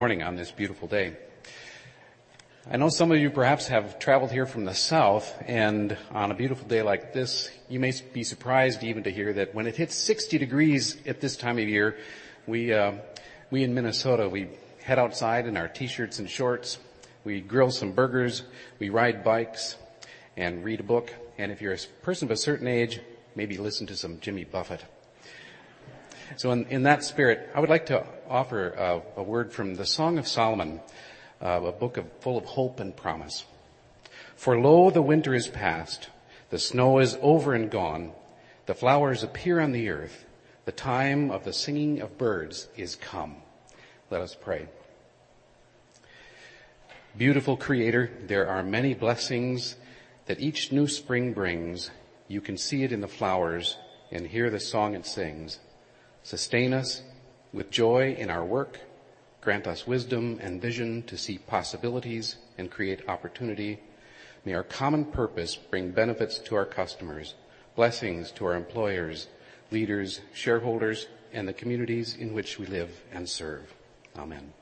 Good morning on this beautiful day. I know some of you perhaps have traveled here from the South, and on a beautiful day like this, you may be surprised even to hear that when it hits 60 degrees at this time of year, we in Minnesota, we head outside in our T-shirts and shorts. We grill some burgers, we ride bikes and read a book, and if you're a person of a certain age, maybe listen to some Jimmy Buffett. In that spirit, I would like to offer a word from the Song of Solomon, a book full of hope and promise. "For lo, the winter is past, the snow is over and gone. The flowers appear on the earth, the time of the singing of birds is come." Let us pray. Beautiful Creator, there are many blessings that each new spring brings. You can see it in the flowers and hear the song it sings. Sustain us with joy in our work. Grant us wisdom and vision to see possibilities and create opportunity. May our common purpose bring benefits to our customers, blessings to our employers, leaders, shareholders, and the communities in which we live and serve. Amen.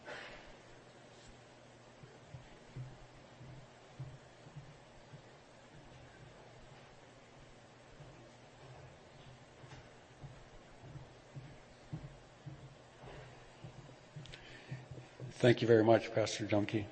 Thank you very much, Pastor Dumke.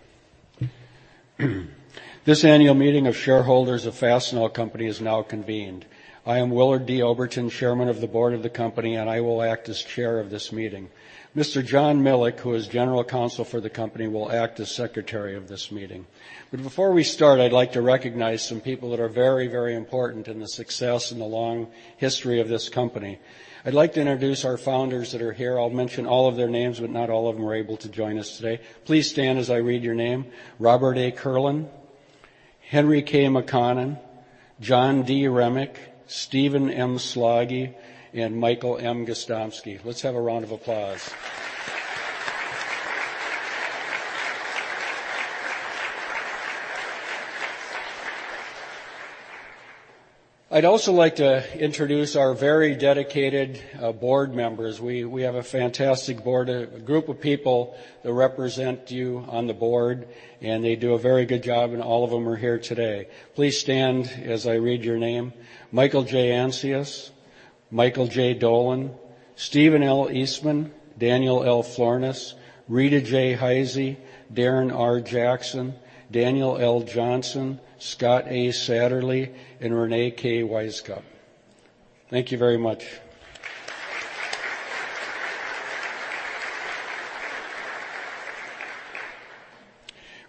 This annual meeting of shareholders of Fastenal Company is now convened. I am Willard D. Oberton, Chairman of the Board of the company, and I will act as chair of this meeting. Mr. John Milek, who is General Counsel for the company, will act as secretary of this meeting. Before we start, I'd like to recognize some people that are very important in the success and the long history of this company. I'd like to introduce our founders that are here. I'll mention all of their names, but not all of them are able to join us today. Please stand as I read your name. Robert A. Kierlin, Henry K. McConnon, John D. Remick, Stephen M. Slaggie, and Michael M. Gostomski. Let's have a round of applause. I'd also like to introduce our very dedicated board members. We have a fantastic board, a group of people that represent you on the board, and they do a very good job, and all of them are here today. Please stand as I read your name. Michael J. Ancius, Michael J. Dolan, Stephen L. Eastman, Daniel L. Florness, Rita J. Heise, Darren R. Jackson, Daniel L. Johnson, Scott A. Satterlee, and Reyne K. Wisecup. Thank you very much.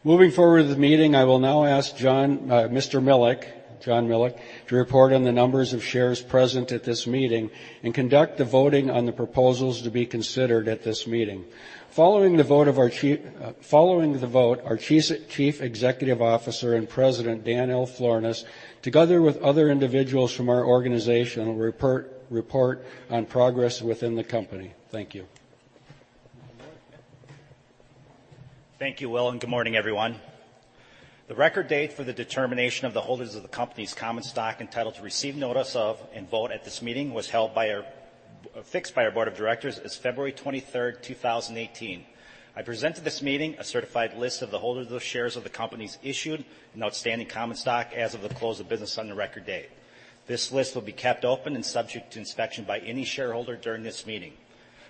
Moving forward with the meeting, I will now ask John Milek to report on the numbers of shares present at this meeting and conduct the voting on the proposals to be considered at this meeting. Following the vote, our Chief Executive Officer and President, Daniel L. Florness, together with other individuals from our organization, will report on progress within the company. Thank you. Thank you, Will, and good morning, everyone. The record date for the determination of the holders of the company's common stock entitled to receive notice of and vote at this meeting was fixed by our board of directors as February 23rd, 2018. I present to this meeting a certified list of the holders of shares of the company's issued and outstanding common stock as of the close of business on the record date. This list will be kept open and subject to inspection by any shareholder during this meeting.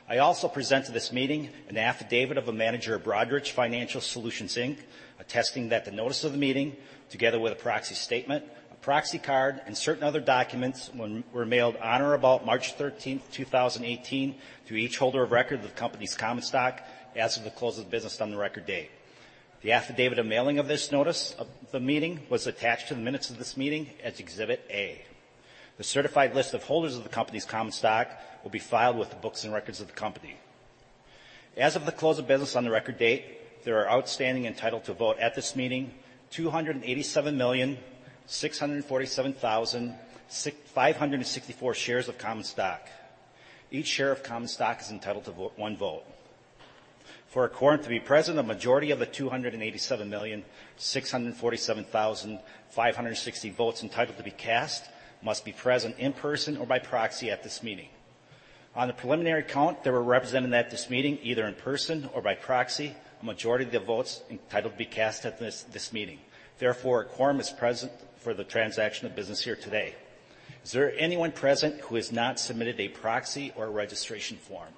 I also present to this meeting an affidavit of a manager of Broadridge Financial Solutions, Inc., attesting that the notice of the meeting, together with a proxy statement, a proxy card, and certain other documents, were mailed on or about March 13th, 2018, to each holder of record of the company's common stock as of the close of business on the record date. The affidavit of mailing of this notice of the meeting was attached to the minutes of this meeting as Exhibit A. The certified list of holders of the company's common stock will be filed with the books and records of the company. As of the close of business on the record date, there are outstanding entitled to vote at this meeting, 287,647,564 shares of common stock. Each share of common stock is entitled to one vote. For a quorum to be present, a majority of the 287,647,560 votes entitled to be cast must be present in person or by proxy at this meeting. On the preliminary count, there were represented at this meeting, either in person or by proxy, a majority of the votes entitled to be cast at this meeting. Therefore, a quorum is present for the transaction of business here today. Is there anyone present who has not submitted a proxy or registration form?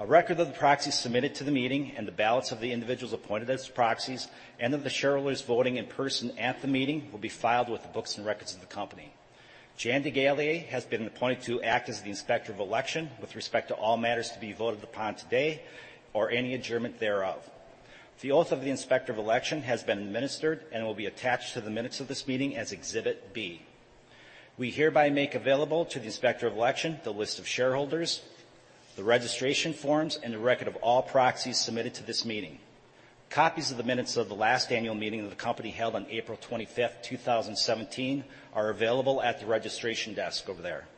A record of the proxies submitted to the meeting and the ballots of the individuals appointed as proxies and of the shareholders voting in person at the meeting will be filed with the books and records of the company. Jan Degallier has been appointed to act as the Inspector of Election with respect to all matters to be voted upon today or any adjournment thereof. The oath of the Inspector of Election has been administered and will be attached to the minutes of this meeting as Exhibit B. We hereby make available to the Inspector of Election the list of shareholders, the registration forms, and a record of all proxies submitted to this meeting. Copies of the minutes of the last annual meeting of the company held on April 25th, 2017, are available at the registration desk over there.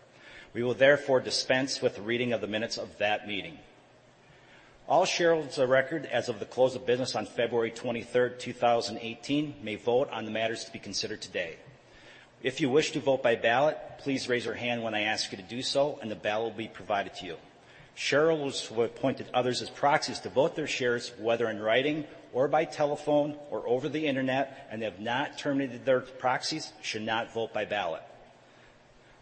We will therefore dispense with the reading of the minutes of that meeting. All shareholders of record as of the close of business on February 23rd, 2018, may vote on the matters to be considered today. If you wish to vote by ballot, please raise your hand when I ask you to do so, and the ballot will be provided to you. Shareholders who have appointed others as proxies to vote their shares, whether in writing or by telephone or over the internet, and have not terminated their proxies, should not vote by ballot.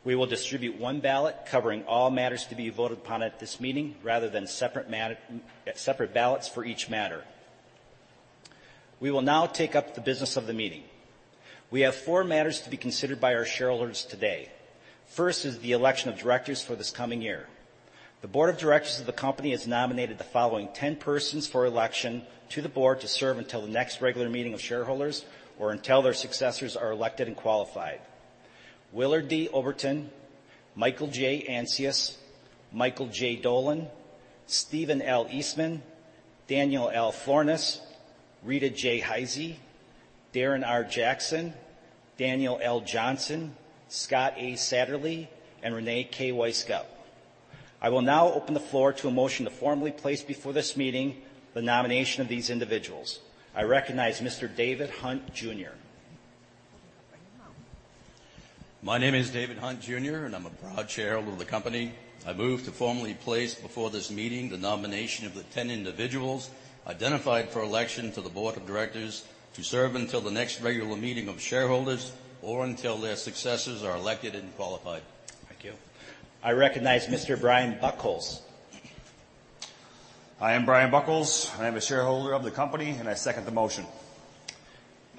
We will distribute one ballot covering all matters to be voted upon at this meeting, rather than separate ballots for each matter. We will now take up the business of the meeting. We have four matters to be considered by our shareholders today. First is the election of directors for this coming year. The board of directors of the company has nominated the following 10 persons for election to the board to serve until the next regular meeting of shareholders, or until their successors are elected and qualified. Willard D. Oberton, Michael J. Ancius, Michael J. Dolan, Stephen L. Eastman, Daniel L. Florness, Rita J. Heise, Darren R. Jackson, Daniel L. Johnson, Scott A. Satterlee, and Reyne K. Wisecup. I will now open the floor to a motion to formally place before this meeting the nomination of these individuals. I recognize Mr. David Hunt Jr. My name is David Hunt Jr., I'm a proud shareholder of the company. I move to formally place before this meeting the nomination of the 10 individuals identified for election to the board of directors to serve until the next regular meeting of shareholders, or until their successors are elected and qualified. Thank you. I recognize Mr. Brian Buckles. I am Brian Buckles, I am a shareholder of the company, I second the motion.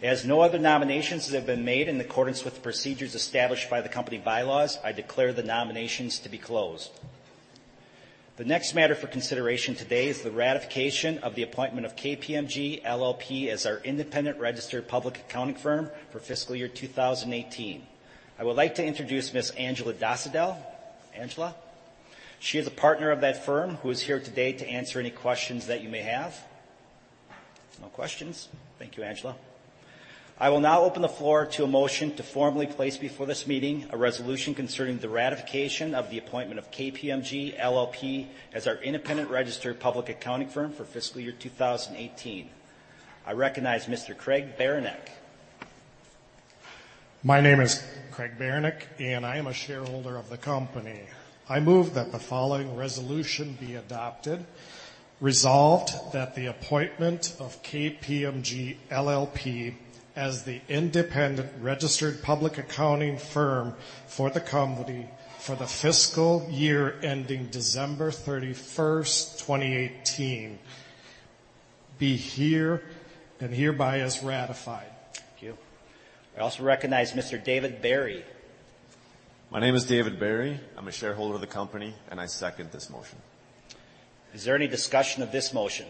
As no other nominations have been made in accordance with the procedures established by the company bylaws, I declare the nominations to be closed. The next matter for consideration today is the ratification of the appointment of KPMG LLP as our independent registered public accounting firm for fiscal year 2018. I would like to introduce Ms. Angela Dosedel. Angela. She is a partner of that firm who is here today to answer any questions that you may have. No questions? Thank you, Angela. I will now open the floor to a motion to formally place before this meeting a resolution concerning the ratification of the appointment of KPMG LLP as our independent registered public accounting firm for fiscal year 2018. I recognize Mr. Craig Baranek. My name is Craig Baranek, I am a shareholder of the company. I move that the following resolution be adopted. Resolved that the appointment of KPMG LLP as the independent registered public accounting firm for the company for the fiscal year ending December 31st, 2018, be here and hereby is ratified. Thamnk you. I also recognize Mr. David Barry. My name is David Barry. I'm a shareholder of the company, I second this motion. Is there any discussion of this motion?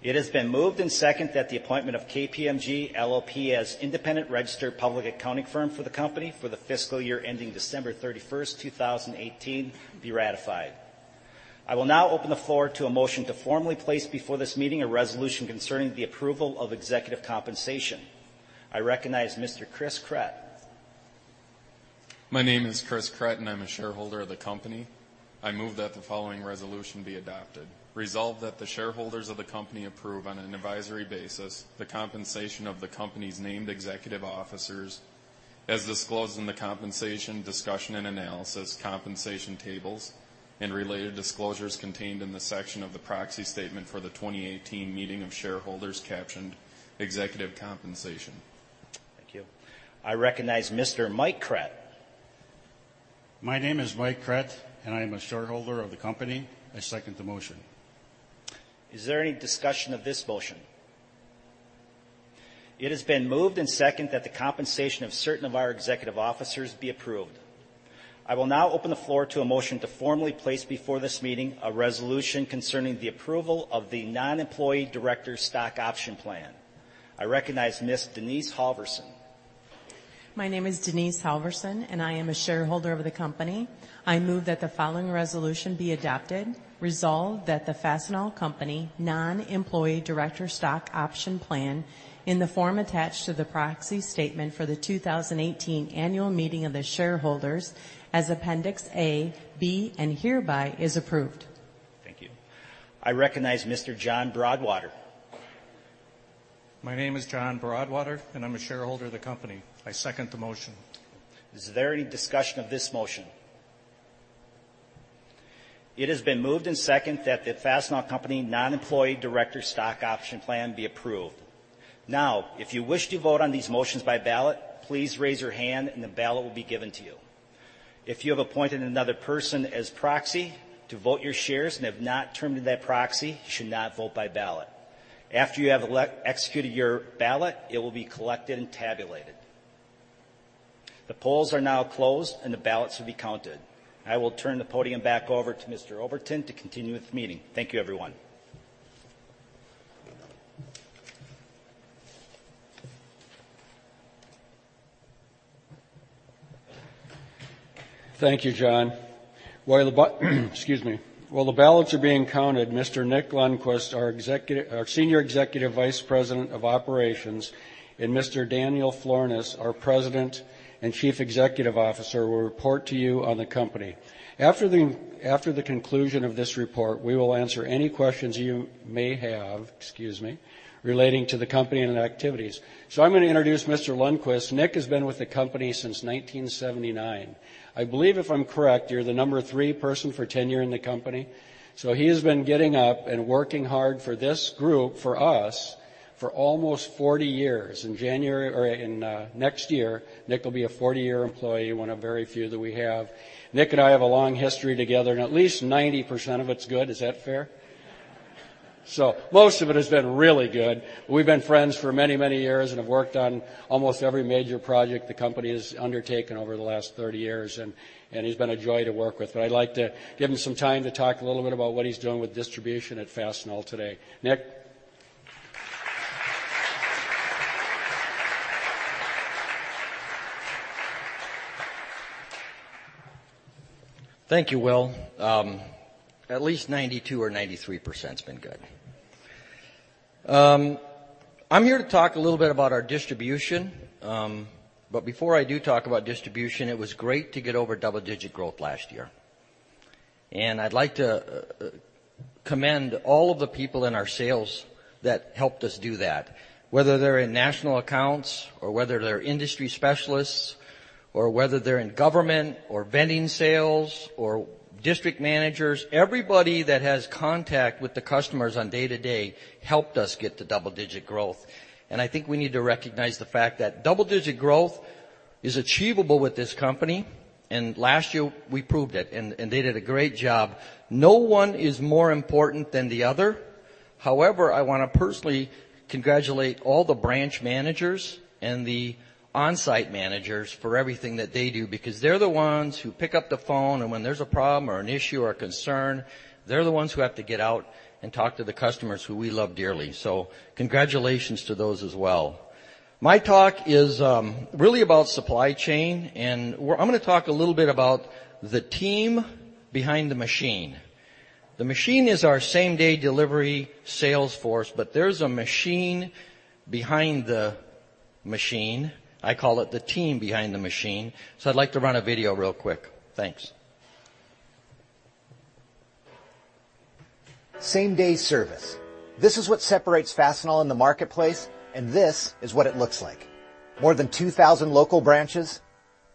It has been moved and seconded that the appointment of KPMG LLP as independent registered public accounting firm for the company for the fiscal year ending December 31st, 2018, be ratified. I will now open the floor to a motion to formally place before this meeting a resolution concerning the approval of executive compensation. I recognize Mr. Chris Kret. My name is Chris Kret, and I'm a shareholder of the company. I move that the following resolution be adopted. Resolved that the shareholders of the company approve on an advisory basis the compensation of the company's named executive officers as disclosed in the compensation discussion and analysis compensation tables and related disclosures contained in the section of the proxy statement for the 2018 meeting of shareholders captioned Executive Compensation. Thank you. I recognize Mr. Mike Kret. My name is Mike Kret, and I am a shareholder of the company. I second the motion. Is there any discussion of this motion? It has been moved and seconded that the compensation of certain of our executive officers be approved. I will now open the floor to a motion to formally place before this meeting a resolution concerning the approval of the non-employee director stock option plan. I recognize Ms. Denise Halverson. My name is Denise Halverson, and I am a shareholder of the company. I move that the following resolution be adopted. Resolved that the Fastenal Company non-employee director stock option plan, in the form attached to the proxy statement for the 2018 annual meeting of the shareholders as Appendix A, B, and hereby, is approved. Thank you. I recognize Mr. John Broadwater. My name is John Broadwater, and I'm a shareholder of the company. I second the motion. Is there any discussion of this motion? It has been moved and seconded that the Fastenal Company non-employee director stock option plan be approved. Now, if you wish to vote on these motions by ballot, please raise your hand and the ballot will be given to you. If you have appointed another person as proxy to vote your shares and have not terminated that proxy, you should not vote by ballot. After you have executed your ballot, it will be collected and tabulated. The polls are now closed, and the ballots will be counted. I will turn the podium back over to Mr. Oberton to continue with the meeting. Thank you, everyone. Thank you, John. While the ballots are being counted, Mr. Nick Lundquist, our Senior Executive Vice President of Operations, and Mr. Daniel Florness, our President and Chief Executive Officer, will report to you on the company. After the conclusion of this report, we will answer any questions you may have, excuse me, relating to the company and activities. I'm going to introduce Mr. Lundquist. Nick has been with the company since 1979. I believe, if I'm correct, you're the number three person for tenure in the company. He has been getting up and working hard for this group, for us for almost 40 years. Next year, Nick will be a 40-year employee, one of very few that we have. Nick and I have a long history together, and at least 90% of it's good. Is that fair? Most of it has been really good. We've been friends for many, many years and have worked on almost every major project the company has undertaken over the last 30 years, and he's been a joy to work with. I'd like to give him some time to talk a little bit about what he's doing with distribution at Fastenal today. Nick. Thank you, Will. At least 92% or 93%'s been good. I'm here to talk a little bit about our distribution. Before I do talk about distribution, it was great to get over double-digit growth last year. I'd like to commend all of the people in our sales that helped us do that, whether they're in national accounts or whether they're industry specialists, or whether they're in government or vending sales or district managers. Everybody that has contact with the customers on day-to-day helped us get to double-digit growth, and I think we need to recognize the fact that double-digit growth is achievable with this company. Last year we proved it, and they did a great job. No one is more important than the other. However, I want to personally congratulate all the branch managers and the onsite managers for everything that they do, because they're the ones who pick up the phone, and when there's a problem or an issue or a concern, they're the ones who have to get out and talk to the customers who we love dearly. Congratulations to those as well. My talk is really about supply chain, and I'm going to talk a little bit about the team behind the machine. The machine is our same-day delivery sales force, but there's a machine behind the machine. I call it the team behind the machine. I'd like to run a video real quick. Thanks. Same-day service. This is what separates Fastenal in the marketplace, and this is what it looks like. More than 2,000 local branches,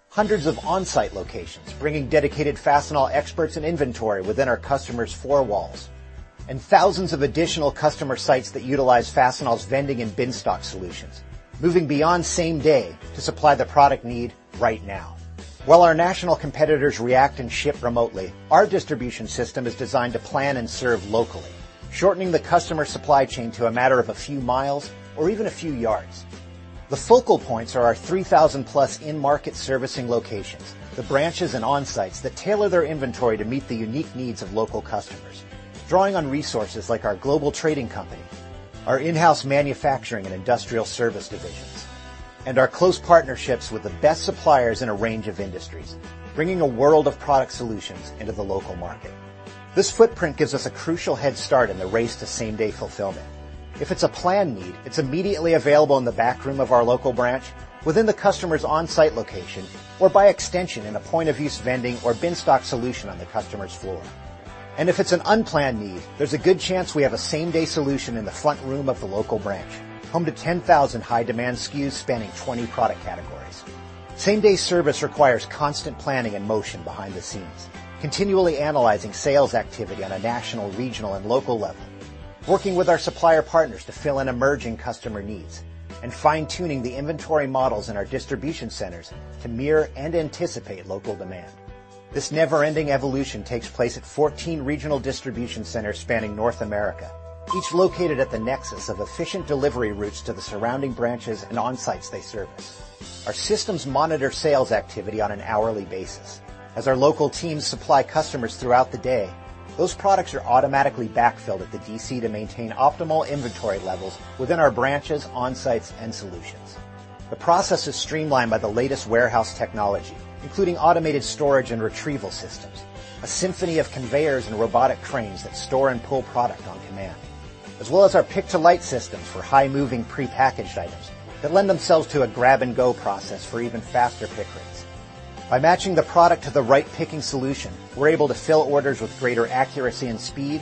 hundreds of onsite locations bringing dedicated Fastenal experts and inventory within our customers' four walls. Thousands of additional customer sites that utilize Fastenal's vending and bin stock solutions. Moving beyond same-day to supply the product need right now. While our national competitors react and ship remotely, our distribution system is designed to plan and serve locally, shortening the customer supply chain to a matter of a few miles or even a few yards. The focal points are our 3,000-plus in-market servicing locations, the branches and onsites that tailor their inventory to meet the unique needs of local customers. Drawing on resources like our global trading company, our in-house manufacturing and industrial service divisions, and our close partnerships with the best suppliers in a range of industries, bringing a world of product solutions into the local market. This footprint gives us a crucial headstart in the race to same-day fulfillment. If it's a planned need, it's immediately available in the back room of our local branch, within the customer's onsite location, or by extension, in a point-of-use vending or bin stock solution on the customer's floor. If it's an unplanned need, there's a good chance we have a same-day solution in the front room of the local branch, home to 10,000 high-demand SKUs spanning 20 product categories. Same-day service requires constant planning and motion behind the scenes. Continually analyzing sales activity on a national, regional, and local level. Working with our supplier partners to fill in emerging customer needs. Fine-tuning the inventory models in our distribution centers to mirror and anticipate local demand. This never-ending evolution takes place at 14 regional distribution centers spanning North America, each located at the nexus of efficient delivery routes to the surrounding branches and onsites they service. Our systems monitor sales activity on an hourly basis. As our local teams supply customers throughout the day, those products are automatically backfilled at the DC to maintain optimal inventory levels within our branches, onsites, and solutions. The process is streamlined by the latest warehouse technology, including automated storage and retrieval systems, a symphony of conveyors and robotic cranes that store and pull product on command. As well as our pick-to-light systems for high-moving prepackaged items that lend themselves to a grab-and-go process for even faster pick rates. By matching the product to the right picking solution, we're able to fill orders with greater accuracy and speed,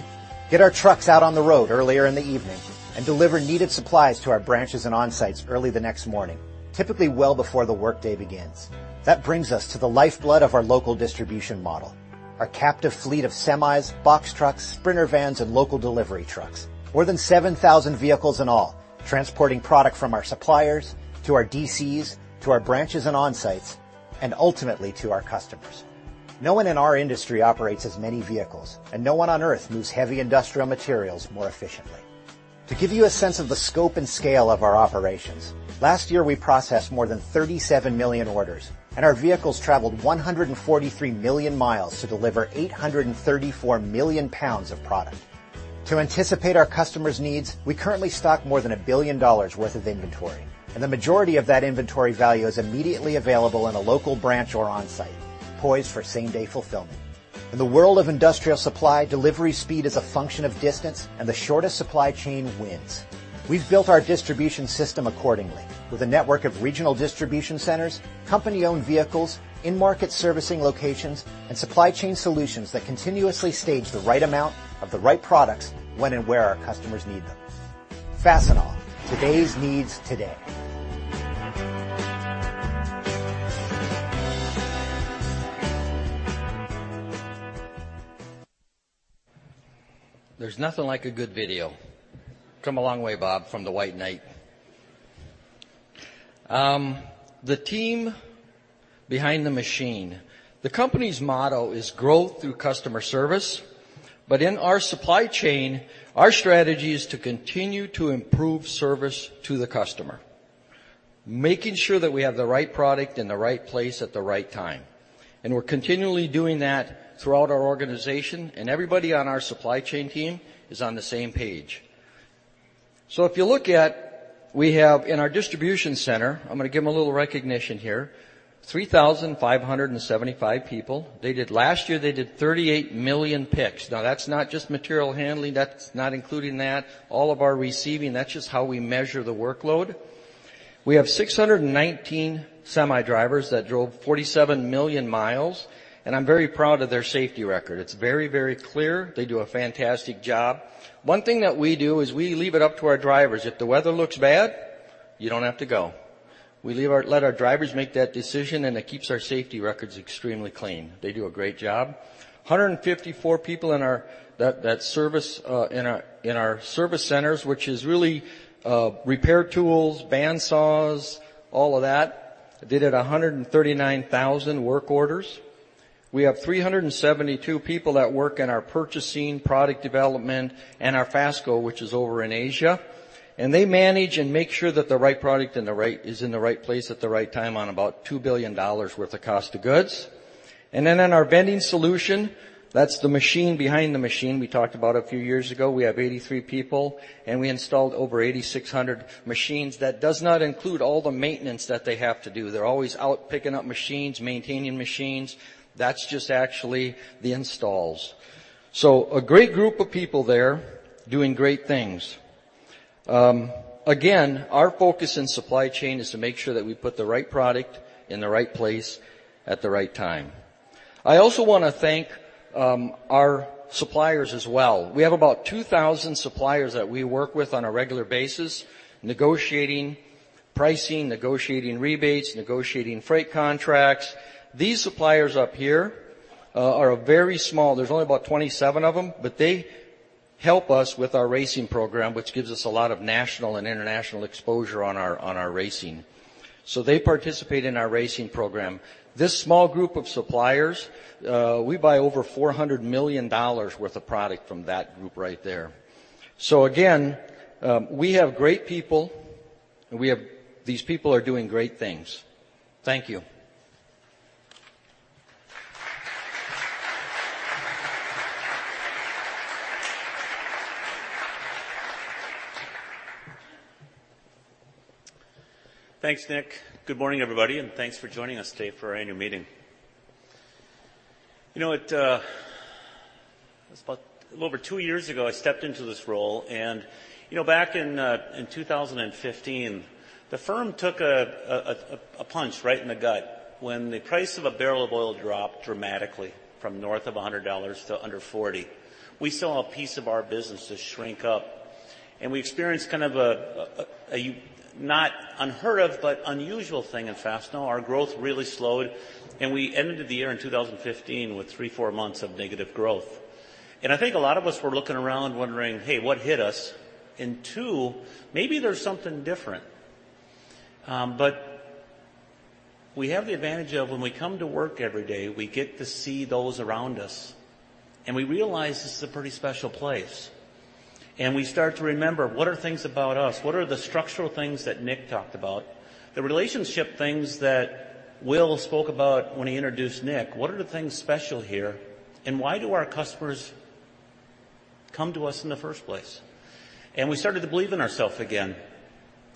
get our trucks out on the road earlier in the evening, and deliver needed supplies to our branches and onsites early the next morning, typically well before the workday begins. That brings us to the lifeblood of our local distribution model, our captive fleet of semis, box trucks, sprinter vans, and local delivery trucks. More than 7,000 vehicles in all, transporting product from our suppliers to our DCs, to our branches and onsites, and ultimately to our customers. No one in our industry operates as many vehicles, and no one on Earth moves heavy industrial materials more efficiently. To give you a sense of the scope and scale of our operations, last year we processed more than 37 million orders, and our vehicles traveled 143 million miles to deliver 834 million pounds of product. To anticipate our customers' needs, we currently stock more than $1 billion worth of inventory, and the majority of that inventory value is immediately available in a local branch or onsite, poised for same-day fulfillment. In the world of industrial supply, delivery speed is a function of distance, and the shortest supply chain wins. We've built our distribution system accordingly with a network of regional distribution centers, company-owned vehicles, in-market servicing locations, and supply chain solutions that continuously stage the right amount of the right products, when and where our customers need them. Fastenal, today's needs today. There's nothing like a good video. Come a long way, Bob, from the White Knight. The team behind the machine. The company's motto is growth through customer service. In our supply chain, our strategy is to continue to improve service to the customer, making sure that we have the right product in the right place at the right time, and we're continually doing that throughout our organization, and everybody on our supply chain team is on the same page. If you look at, we have in our distribution center, I'm going to give them a little recognition here, 3,575 people. Last year, they did 38 million picks. Now, that's not just material handling. That's not including that. All of our receiving, that's just how we measure the workload. We have 619 semi drivers that drove 47 million miles, and I'm very, very proud of their safety record. It's very, very clear. They do a fantastic job. One thing that we do is we leave it up to our drivers. If the weather looks bad, you don't have to go. We let our drivers make that decision, and it keeps our safety records extremely clean. They do a great job. 154 people in our service centers, which is really repair tools, band saws, all of that. They did 139,000 work orders. We have 372 people that work in our purchasing, product development, and our FASTCO, which is over in Asia, and they manage and make sure that the right product is in the right place at the right time on about $2 billion worth of cost of goods. In our FAST Solutions, that's the machine behind the machine we talked about a few years ago. We have 83 people, and we installed over 8,600 machines. That does not include all the maintenance that they have to do. They're always out picking up machines, maintaining machines. That's just actually the installs. A great group of people there doing great things. Again, our focus in supply chain is to make sure that we put the right product in the right place at the right time. I also want to thank our suppliers as well. We have about 2,000 suppliers that we work with on a regular basis, negotiating pricing, negotiating rebates, negotiating freight contracts. These suppliers up here are very small. There's only about 27 of them, but they help us with our racing program, which gives us a lot of national and international exposure on our racing. They participate in our racing program. This small group of suppliers, we buy over $400 million worth of product from that group right there. Again, we have great people, and these people are doing great things. Thank you. Thanks, Nick. Good morning, everybody, and thanks for joining us today for our annual meeting. It's about a little over two years ago, I stepped into this role. Back in 2015, the firm took a punch right in the gut when the price of a barrel of oil dropped dramatically from north of $100 to under $40. We saw a piece of our business just shrink up, and we experienced kind of a not unheard of, but unusual thing in Fastenal. Our growth really slowed, and we ended the year in 2015 with three, four months of negative growth. I think a lot of us were looking around wondering, "Hey, what hit us?" Two, maybe there's something different. We have the advantage of when we come to work every day, we get to see those around us, we realize this is a pretty special place, we start to remember, what are things about us? What are the structural things that Nick talked about? The relationship things that Will spoke about when he introduced Nick. What are the things special here, and why do our customers come to us in the first place? We started to believe in ourselves again.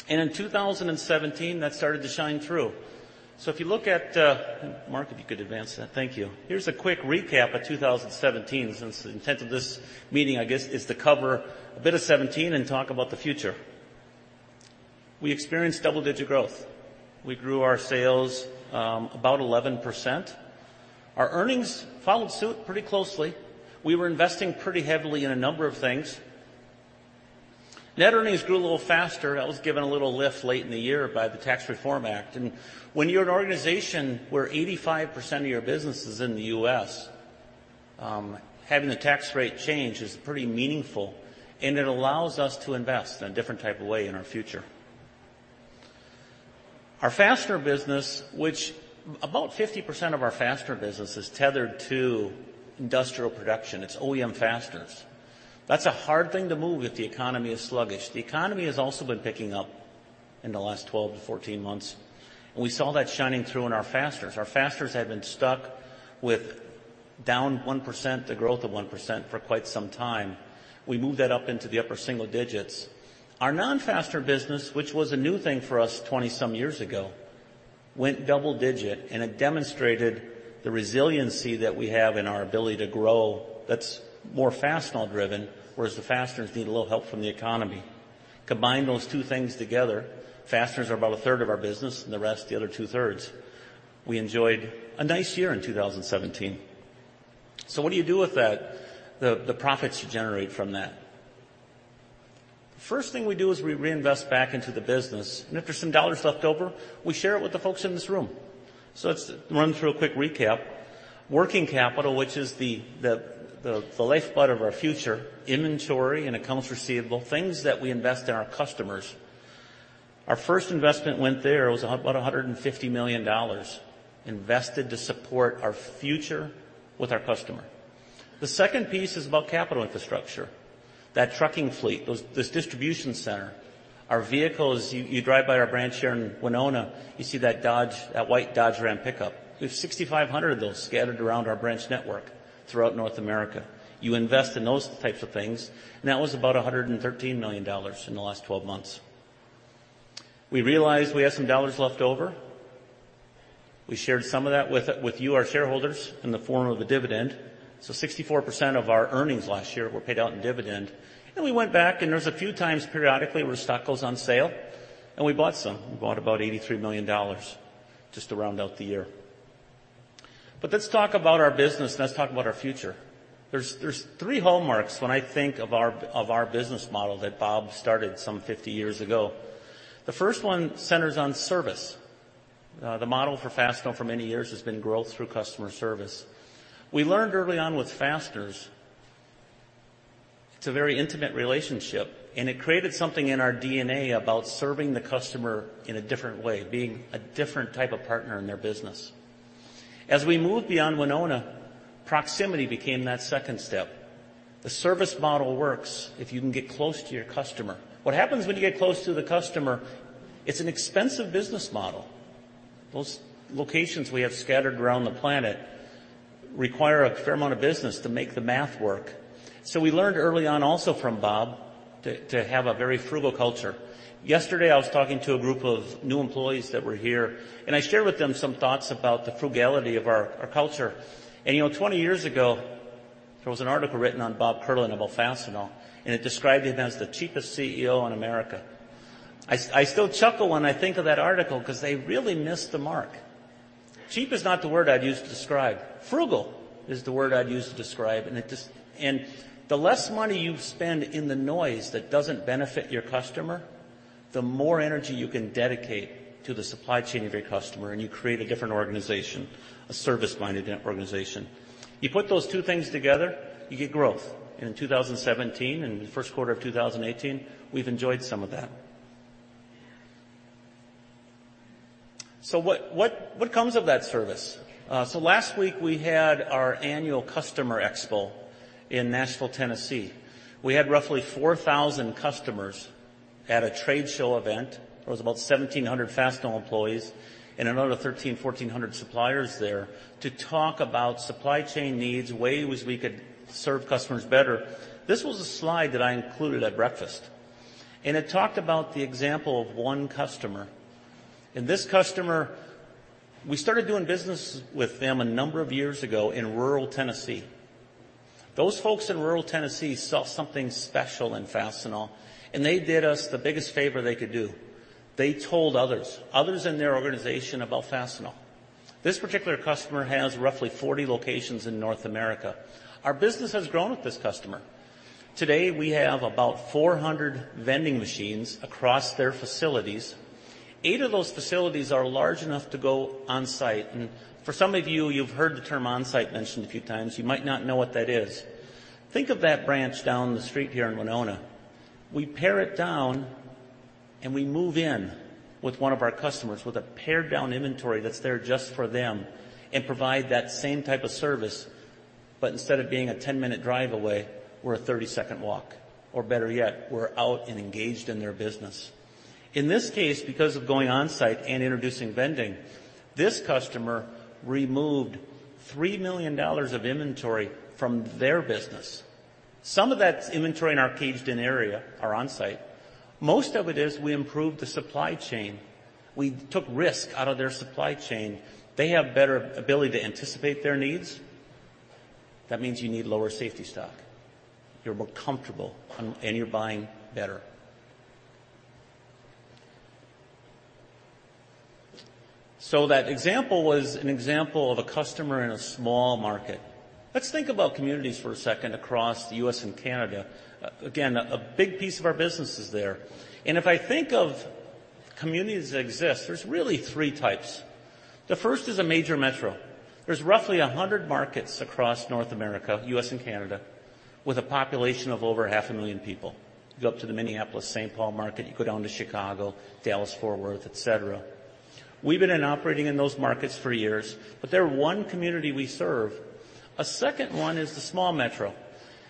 In 2017, that started to shine through. If you look at Mark, if you could advance that. Thank you. Here's a quick recap of 2017, since the intent of this meeting, I guess, is to cover a bit of '17 and talk about the future. We experienced double-digit growth. We grew our sales about 11%. Our earnings followed suit pretty closely. We were investing pretty heavily in a number of things. Net earnings grew a little faster. That was given a little lift late in the year by the Tax Reform Act. When you're an organization where 85% of your business is in the U.S., having the tax rate change is pretty meaningful, it allows us to invest in a different type of way in our future. Our fastener business, which about 50% of our fastener business is tethered to industrial production. It's OEM fasteners. That's a hard thing to move if the economy is sluggish. The economy has also been picking up in the last 12 to 14 months, we saw that shining through in our fasteners. Our fasteners had been stuck with down 1%, the growth of 1%, for quite some time. We moved that up into the upper single digits. Our non-fastener business, which was a new thing for us 20-some years ago, went double digit, and it demonstrated the resiliency that we have and our ability to grow that's more Fastenal driven, whereas the fasteners need a little help from the economy. Combine those two things together, fasteners are about a third of our business and the rest, the other two-thirds. We enjoyed a nice year in 2017. What do you do with the profits you generate from that? The first thing we do is we reinvest back into the business, and if there's some dollars left over, we share it with the folks in this room. Let's run through a quick recap. Working capital, which is the lifeblood of our future, inventory and accounts receivable, things that we invest in our customers. Our first investment went there. It was about $150 million invested to support our future with our customer. The second piece is about capital infrastructure, that trucking fleet, this distribution center, our vehicles. You drive by our branch here in Winona, you see that white Dodge Ram pickup. We have 6,500 of those scattered around our branch network throughout North America. You invest in those types of things, and that was about $113 million in the last 12 months. We realized we had some dollars left over. We shared some of that with you, our shareholders, in the form of a dividend. 64% of our earnings last year were paid out in dividend. We went back, and there's a few times periodically where stock goes on sale, and we bought some. We bought about $83 million just to round out the year. Let's talk about our business, and let's talk about our future. There's three hallmarks when I think of our business model that Bob started some 50 years ago. The first one centers on service. The model for Fastenal for many years has been growth through customer service. We learned early on with fasteners, it's a very intimate relationship, and it created something in our DNA about serving the customer in a different way, being a different type of partner in their business. As we moved beyond Winona, proximity became that second step. The service model works if you can get close to your customer. What happens when you get close to the customer, it's an expensive business model. Those locations we have scattered around the planet require a fair amount of business to make the math work. We learned early on also from Bob to have a very frugal culture. Yesterday, I was talking to a group of new employees that were here, and I shared with them some thoughts about the frugality of our culture. 20 years ago, there was an article written on Bob Kierlin about Fastenal, and it described him as the cheapest CEO in America. I still chuckle when I think of that article because they really missed the mark. Cheap is not the word I'd use to describe. Frugal is the word I'd use to describe, and the less money you spend in the noise that doesn't benefit your customer, the more energy you can dedicate to the supply chain of your customer, and you create a different organization, a service-minded organization. You put those two things together, you get growth. In 2017 and the first quarter of 2018, we've enjoyed some of that. What comes of that service? Last week, we had our annual customer expo in Nashville, Tennessee. We had roughly 4,000 customers at a trade show event. There was about 1,700 Fastenal employees and another 1,300, 1,400 suppliers there to talk about supply chain needs, ways we could serve customers better. This was a slide that I included at breakfast, and it talked about the example of one customer. This customer, we started doing business with them a number of years ago in rural Tennessee. Those folks in rural Tennessee saw something special in Fastenal, and they did us the biggest favor they could do. They told others in their organization about Fastenal. This particular customer has roughly 40 locations in North America. Our business has grown with this customer. Today, we have about 400 vending machines across their facilities. Eight of those facilities are large enough to go on-site. For some of you've heard the term on-site mentioned a few times. You might not know what that is. Think of that branch down the street here in Winona. We pare it down, and we move in with one of our customers with a pared-down inventory that's there just for them and provide that same type of service. Instead of being a 10-minute drive away, we're a 30-second walk, or better yet, we're out and engaged in their business. In this case, because of going on-site and introducing vending, this customer removed $3 million of inventory from their business. Some of that inventory in our caged in area are on-site. Most of it is we improved the supply chain. We took risk out of their supply chain. They have better ability to anticipate their needs. That means you need lower safety stock. You're more comfortable, and you're buying better. That example was an example of a customer in a small market. Let's think about communities for a second across the U.S. and Canada. Again, a big piece of our business is there. If I think of communities that exist, there's really three types. The first is a major metro. There's roughly 100 markets across North America, U.S. and Canada, with a population of over half a million people. You go up to the Minneapolis-St. Paul market, you go down to Chicago, Dallas-Fort Worth, et cetera. We've been operating in those markets for years, but they're one community we serve. A second one is the small metro.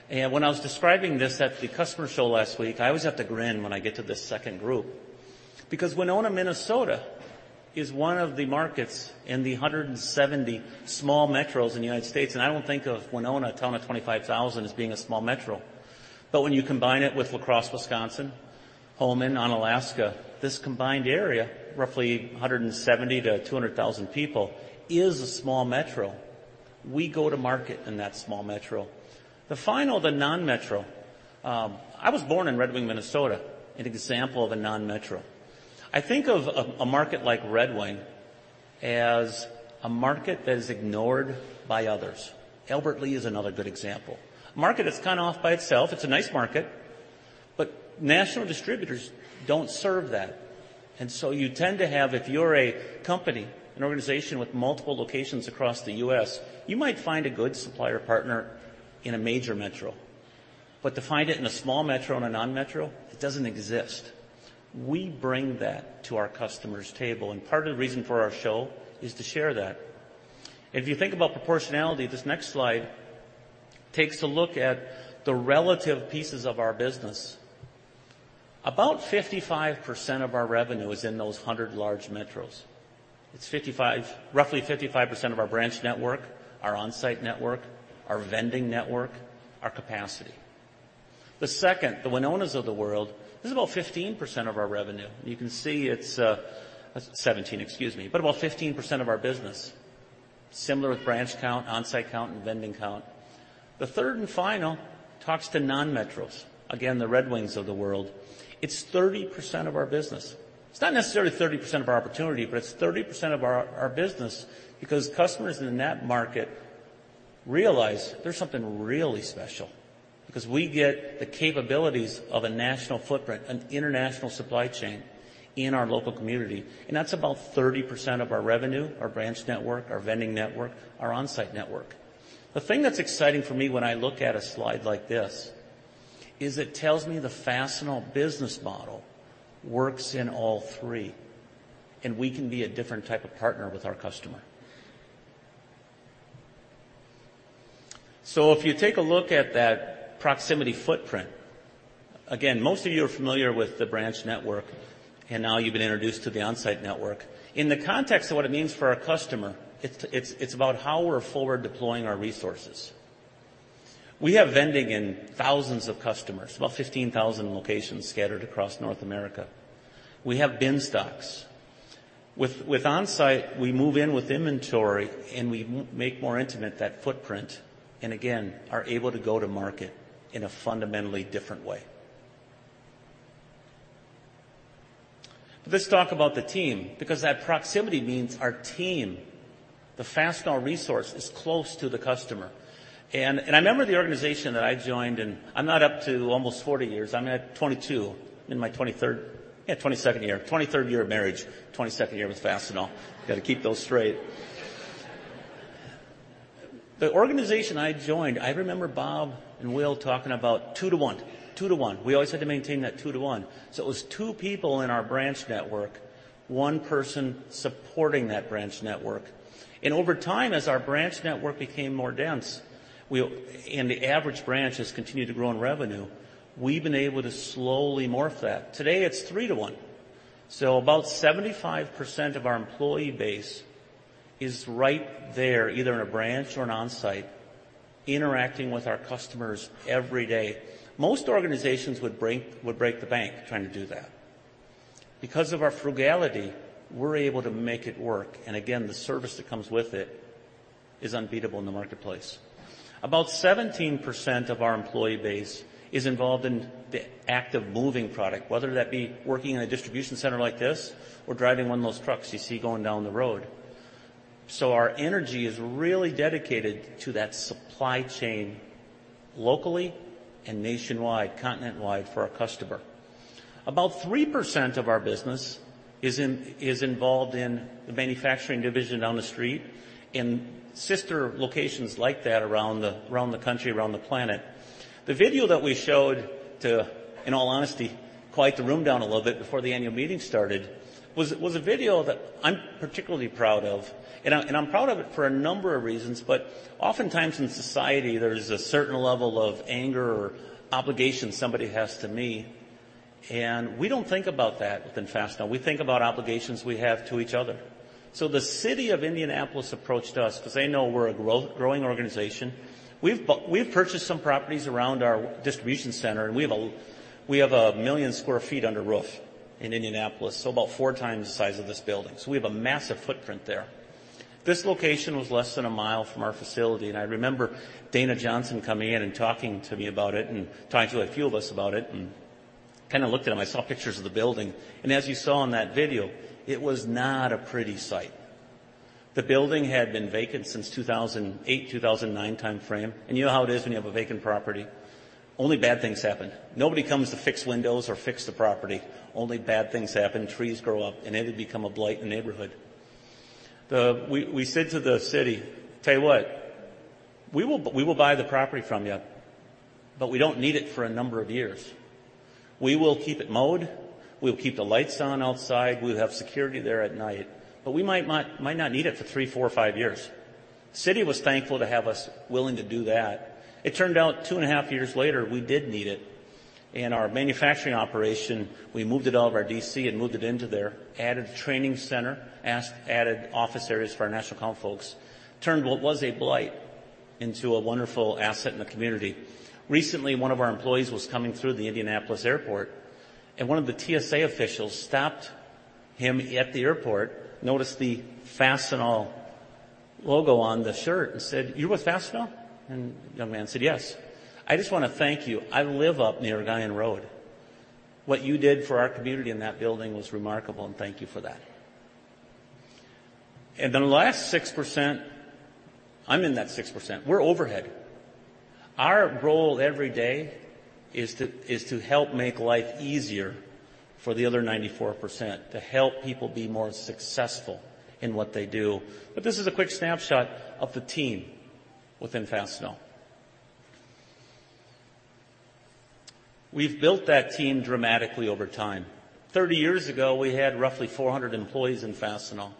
When I was describing this at the customer show last week, I always have to grin when I get to this second group because Winona, Minnesota, is one of the markets in the 170 small metros in the U.S., and I don't think of Winona, a town of 25,000, as being a small metro. When you combine it with La Crosse, Wisconsin, Holmen, Onalaska, this combined area, roughly 170,000 to 200,000 people, is a small metro. We go to market in that small metro. The final, the non-metro. I was born in Red Wing, Minnesota, an example of a non-metro. I think of a market like Red Wing as a market that is ignored by others. Albert Lea is another good example. A market that's kind of off by itself. It's a nice market, national distributors don't serve that. You tend to have, if you're a company, an organization with multiple locations across the U.S., you might find a good supplier partner in a major metro. To find it in a small metro and a non-metro, it doesn't exist. We bring that to our customers' table, and part of the reason for our show is to share that. If you think about proportionality, this next slide takes a look at the relative pieces of our business. About 55% of our revenue is in those 100 large metros. It's roughly 55% of our branch network, our onsite network, our vending network, our capacity. The second, the Winonas of the world, this is about 15% of our revenue. You can see it's 17, excuse me, but about 15% of our business. Similar with branch count, onsite count, and vending count. The third and final talks to non-metros, again, the Red Wings of the world. It's 30% of our business. It's not necessarily 30% of our opportunity, but it's 30% of our business because customers in that market realize there's something really special, because we get the capabilities of a national footprint and international supply chain in our local community, that's about 30% of our revenue, our branch network, our vending network, our onsite network. The thing that's exciting for me when I look at a slide like this, is it tells me the Fastenal business model works in all three, we can be a different type of partner with our customer. If you take a look at that proximity footprint, again, most of you are familiar with the branch network, now you've been introduced to the onsite network. In the context of what it means for our customer, it's about how we're forward deploying our resources. We have vending in thousands of customers, about 15,000 locations scattered across North America. We have bin stocks. With onsite, we move in with inventory, we make more intimate that footprint, again, are able to go to market in a fundamentally different way. Let's talk about the team, because that proximity means our team, the Fastenal resource, is close to the customer. I remember the organization that I joined, I'm not up to almost 40 years, I'm at 22, in my 23rd. Yeah, 22nd year. 23rd year of marriage, 22nd year with Fastenal. Got to keep those straight. The organization I joined, I remember Bob and Will talking about two to one. Two to one. We always had to maintain that two to one. It was two people in our branch network, one person supporting that branch network. Over time, as our branch network became more dense, the average branch has continued to grow in revenue, we've been able to slowly morph that. Today, it's three to one. About 75% of our employee base is right there, either in a branch or an onsite, interacting with our customers every day. Most organizations would break the bank trying to do that. Because of our frugality, we're able to make it work, again, the service that comes with it is unbeatable in the marketplace. About 17% of our employee base is involved in the act of moving product, whether that be working in a distribution center like this or driving one of those trucks you see going down the road. Our energy is really dedicated to that supply chain locally and nationwide, continent wide, for our customer. About 3% of our business is involved in the manufacturing division down the street, in sister locations like that around the country, around the planet. The video that we showed to, in all honesty, quiet the room down a little bit before the annual meeting started, was a video that I'm particularly proud of. I'm proud of it for a number of reasons, oftentimes in society, there's a certain level of anger or obligation somebody has to me, and we don't think about that within Fastenal. We think about obligations we have to each other. The city of Indianapolis approached us because they know we're a growing organization. We've purchased some properties around our distribution center, we have 1 million sq ft under roof in Indianapolis, about 4 times the size of this building. We have a massive footprint there. This location was less than 1 mile from our facility, I remember Dana Johnson coming in and talking to me about it and talking to a few of us about it, kind of looked at him. I saw pictures of the building, as you saw in that video, it was not a pretty sight. The building had been vacant since 2008, 2009 timeframe. You know how it is when you have a vacant property. Only bad things happen. Nobody comes to fix windows or fix the property. Only bad things happen. Trees grow up, it would become a blight in the neighborhood. We said to the city, "Tell you what, we will buy the property from you, we don't need it for a number of years. We will keep it mowed, we'll keep the lights on outside, we'll have security there at night, but we might not need it for three, four, or five years." City was thankful to have us willing to do that. It turned out two and a half years later, we did need it. In our manufacturing operation, we moved it out of our DC and moved it into there, added a training center, added office areas for our national account folks. Turned what was a blight into a wonderful asset in the community. Recently, one of our employees was coming through the Indianapolis Airport, one of the TSA officials stopped him at the airport, noticed the Fastenal logo on the shirt and said, "You're with Fastenal?" The young man said, "Yes." "I just want to thank you. I live up near Guion Road." What you did for our community in that building was remarkable, thank you for that. The last 6%, I'm in that 6%. We're overhead. Our role every day is to help make life easier for the other 94%, to help people be more successful in what they do. This is a quick snapshot of the team within Fastenal. We've built that team dramatically over time. 30 years ago, we had roughly 400 employees in Fastenal.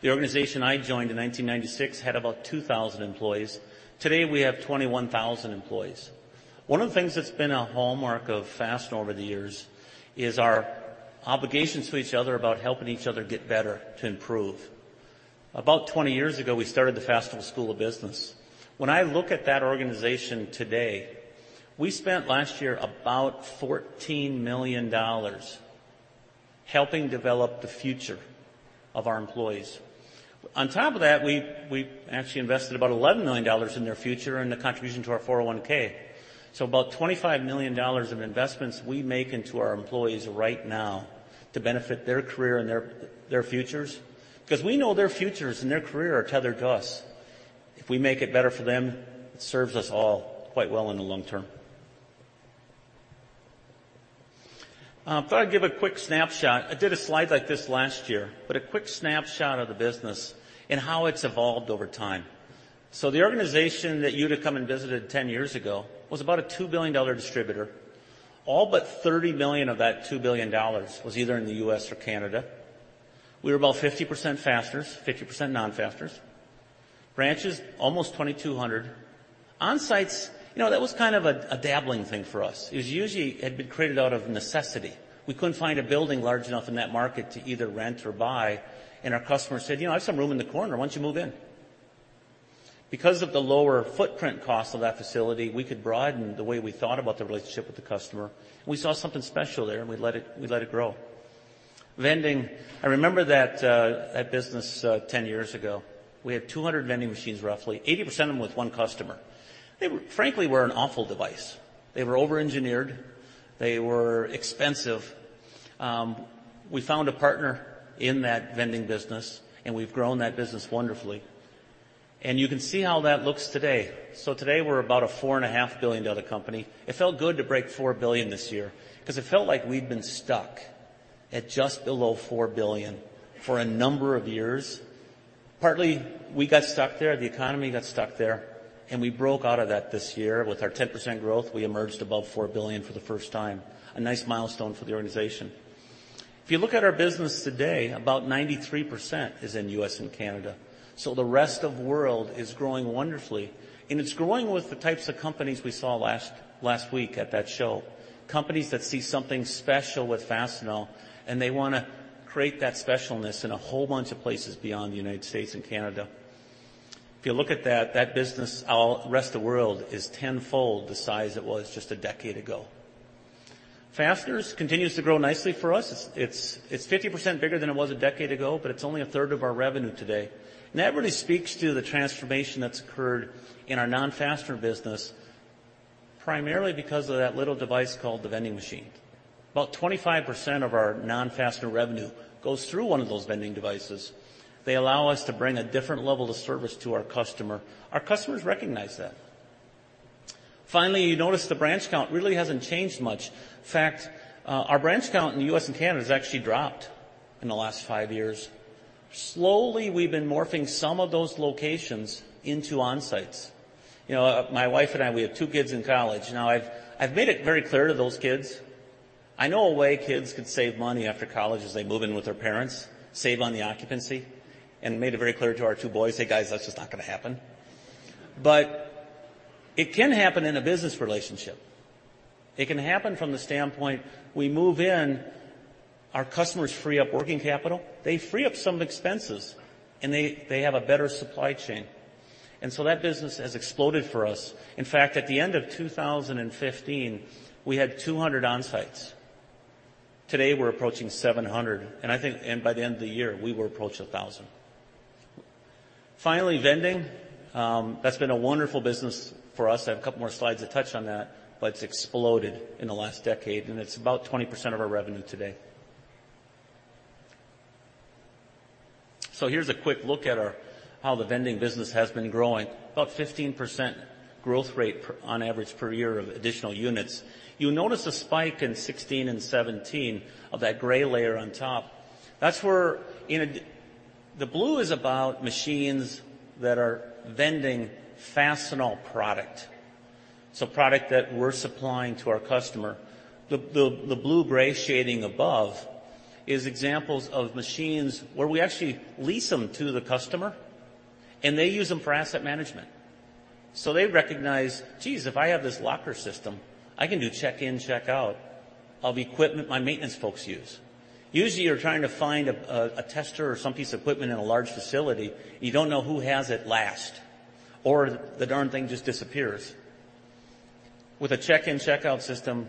The organization I joined in 1996 had about 2,000 employees. Today, we have 21,000 employees. One of the things that's been a hallmark of Fastenal over the years is our obligation to each other about helping each other get better, to improve. About 20 years ago, we started the Fastenal School of Business. When I look at that organization today, we spent last year about $14 million helping develop the future of our employees. On top of that, we actually invested about $11 million in their future in the contribution to our 401(k). About $25 million of investments we make into our employees right now to benefit their career and their futures, because we know their futures and their career are tethered to us. If we make it better for them, it serves us all quite well in the long term. I thought I'd give a quick snapshot. I did a slide like this last year, a quick snapshot of the business and how it's evolved over time. The organization that you'd have come and visited 10 years ago was about a $2 billion distributor. All but $30 million of that $2 billion was either in the U.S. or Canada. We were about 50% fasteners, 50% non-fasteners. Branches, almost 2,200. On-sites, that was kind of a dabbling thing for us. It usually had been created out of necessity. We couldn't find a building large enough in that market to either rent or buy, and our customer said, "I have some room in the corner. Why don't you move in?" Because of the lower footprint cost of that facility, we could broaden the way we thought about the relationship with the customer, and we saw something special there, and we let it grow. Vending. I remember that business 10 years ago. We had 200 vending machines, roughly. 80% of them with one customer. They frankly, were an awful device. They were over-engineered. They were expensive. We found a partner in that vending business, and we've grown that business wonderfully, and you can see how that looks today. Today, we're about a $4.5 billion company. It felt good to break $4 billion this year because it felt like we'd been stuck at just below $4 billion for a number of years. Partly, we got stuck there, the economy got stuck there, and we broke out of that this year. With our 10% growth, we emerged above $4 billion for the first time. A nice milestone for the organization. If you look at our business today, about 93% is in U.S. and Canada. The rest of world is growing wonderfully, and it's growing with the types of companies we saw last week at that show. Companies that see something special with Fastenal, and they want to create that specialness in a whole bunch of places beyond the U.S. and Canada. If you look at that business, rest of world, is tenfold the size it was just a decade ago. Fasteners continues to grow nicely for us. It's 50% bigger than it was a decade ago, but it's only a third of our revenue today. That really speaks to the transformation that's occurred in our non-fastener business, primarily because of that little device called the vending machine. About 25% of our non-fastener revenue goes through one of those vending devices. They allow us to bring a different level of service to our customer. Our customers recognize that. You notice the branch count really hasn't changed much. In fact, our branch count in the U.S. and Canada has actually dropped in the last five years. Slowly, we've been morphing some of those locations into on-sites. My wife and I, we have two kids in college. I've made it very clear to those kids, I know a way kids could save money after college is they move in with their parents, save on the occupancy, and made it very clear to our two boys, say, "Guys, that's just not going to happen." It can happen in a business relationship. It can happen from the standpoint we move in, our customers free up working capital, they free up some expenses, and they have a better supply chain. That business has exploded for us. In fact, at the end of 2015, we had 200 on-sites. Today, we're approaching 700, I think by the end of the year, we will approach 1,000. Vending. That's been a wonderful business for us. I have a couple more slides that touch on that, it's exploded in the last decade, and it's about 20% of our revenue today. Here's a quick look at how the vending business has been growing. About 15% growth rate on average per year of additional units. You'll notice a spike in 2016 and 2017 of that gray layer on top. The blue is about machines that are vending Fastenal product. Product that we're supplying to our customer. The blue-gray shading above is examples of machines where we actually lease them to the customer, and they use them for asset management. They recognize, geez, if I have this locker system, I can do check-in, check-out of equipment my maintenance folks use. Usually, you're trying to find a tester or some piece of equipment in a large facility, you don't know who has it last, or the darn thing just disappears. With a check-in, check-out system,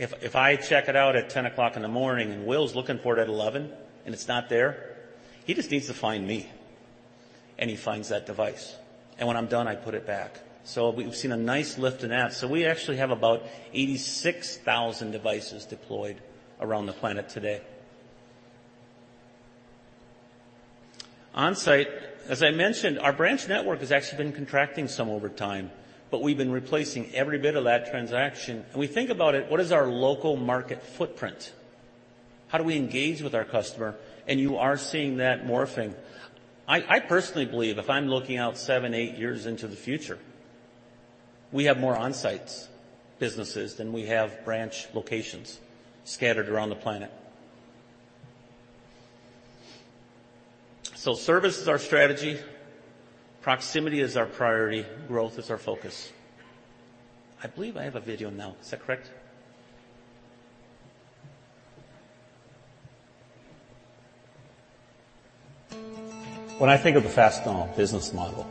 if I check it out at 10:00 A.M. and Will's looking for it at 11:00 A.M. and it's not there, he just needs to find me. He finds that device. When I'm done, I put it back. We've seen a nice lift in that. We actually have about 86,000 devices deployed around the planet today. Onsite, as I mentioned, our branch network has actually been contracting some over time, we've been replacing every bit of that transaction. We think about it, what is our local market footprint? How do we engage with our customer? You are seeing that morphing. I personally believe if I'm looking out seven, eight years into the future, we have more onsites businesses than we have branch locations scattered around the planet. Service is our strategy. Proximity is our priority. Growth is our focus. I believe I have a video now. Is that correct? When I think of the Fastenal business model,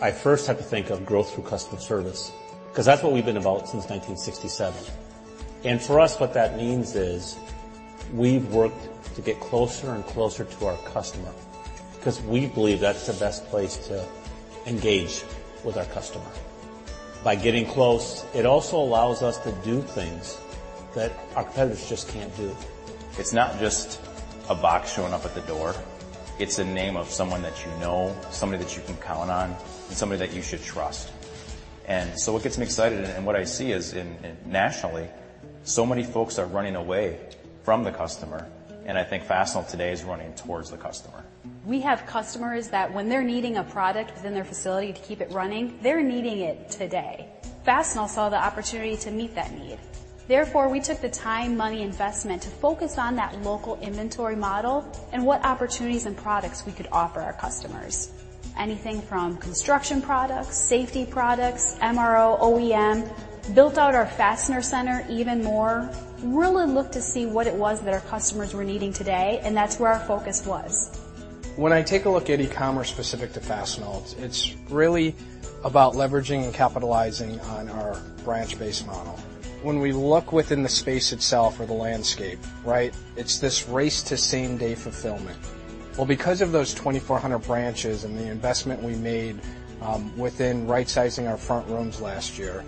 I first have to think of growth through customer service, because that's what we've been about since 1967. For us, what that means is we've worked to get closer and closer to our customer because we believe that's the best place to engage with our customer. By getting close, it also allows us to do things that our competitors just can't do. It's not just a box showing up at the door. It's the name of someone that you know, somebody that you can count on, and somebody that you should trust. What gets me excited and what I see is, nationally, so many folks are running away from the customer, and I think Fastenal today is running towards the customer. We have customers that when they're needing a product within their facility to keep it running, they're needing it today. Fastenal saw the opportunity to meet that need. Therefore, we took the time, money investment to focus on that local inventory model and what opportunities and products we could offer our customers. Anything from construction products, safety products, MRO, OEM, built out our fastener center even more, really looked to see what it was that our customers were needing today, and that's where our focus was. When I take a look at e-commerce specific to Fastenal, it's really about leveraging and capitalizing on our branch-based model. When we look within the space itself or the landscape, right? It's this race to same-day fulfillment. Well, because of those 2,400 branches and the investment we made, within right-sizing our front rooms last year,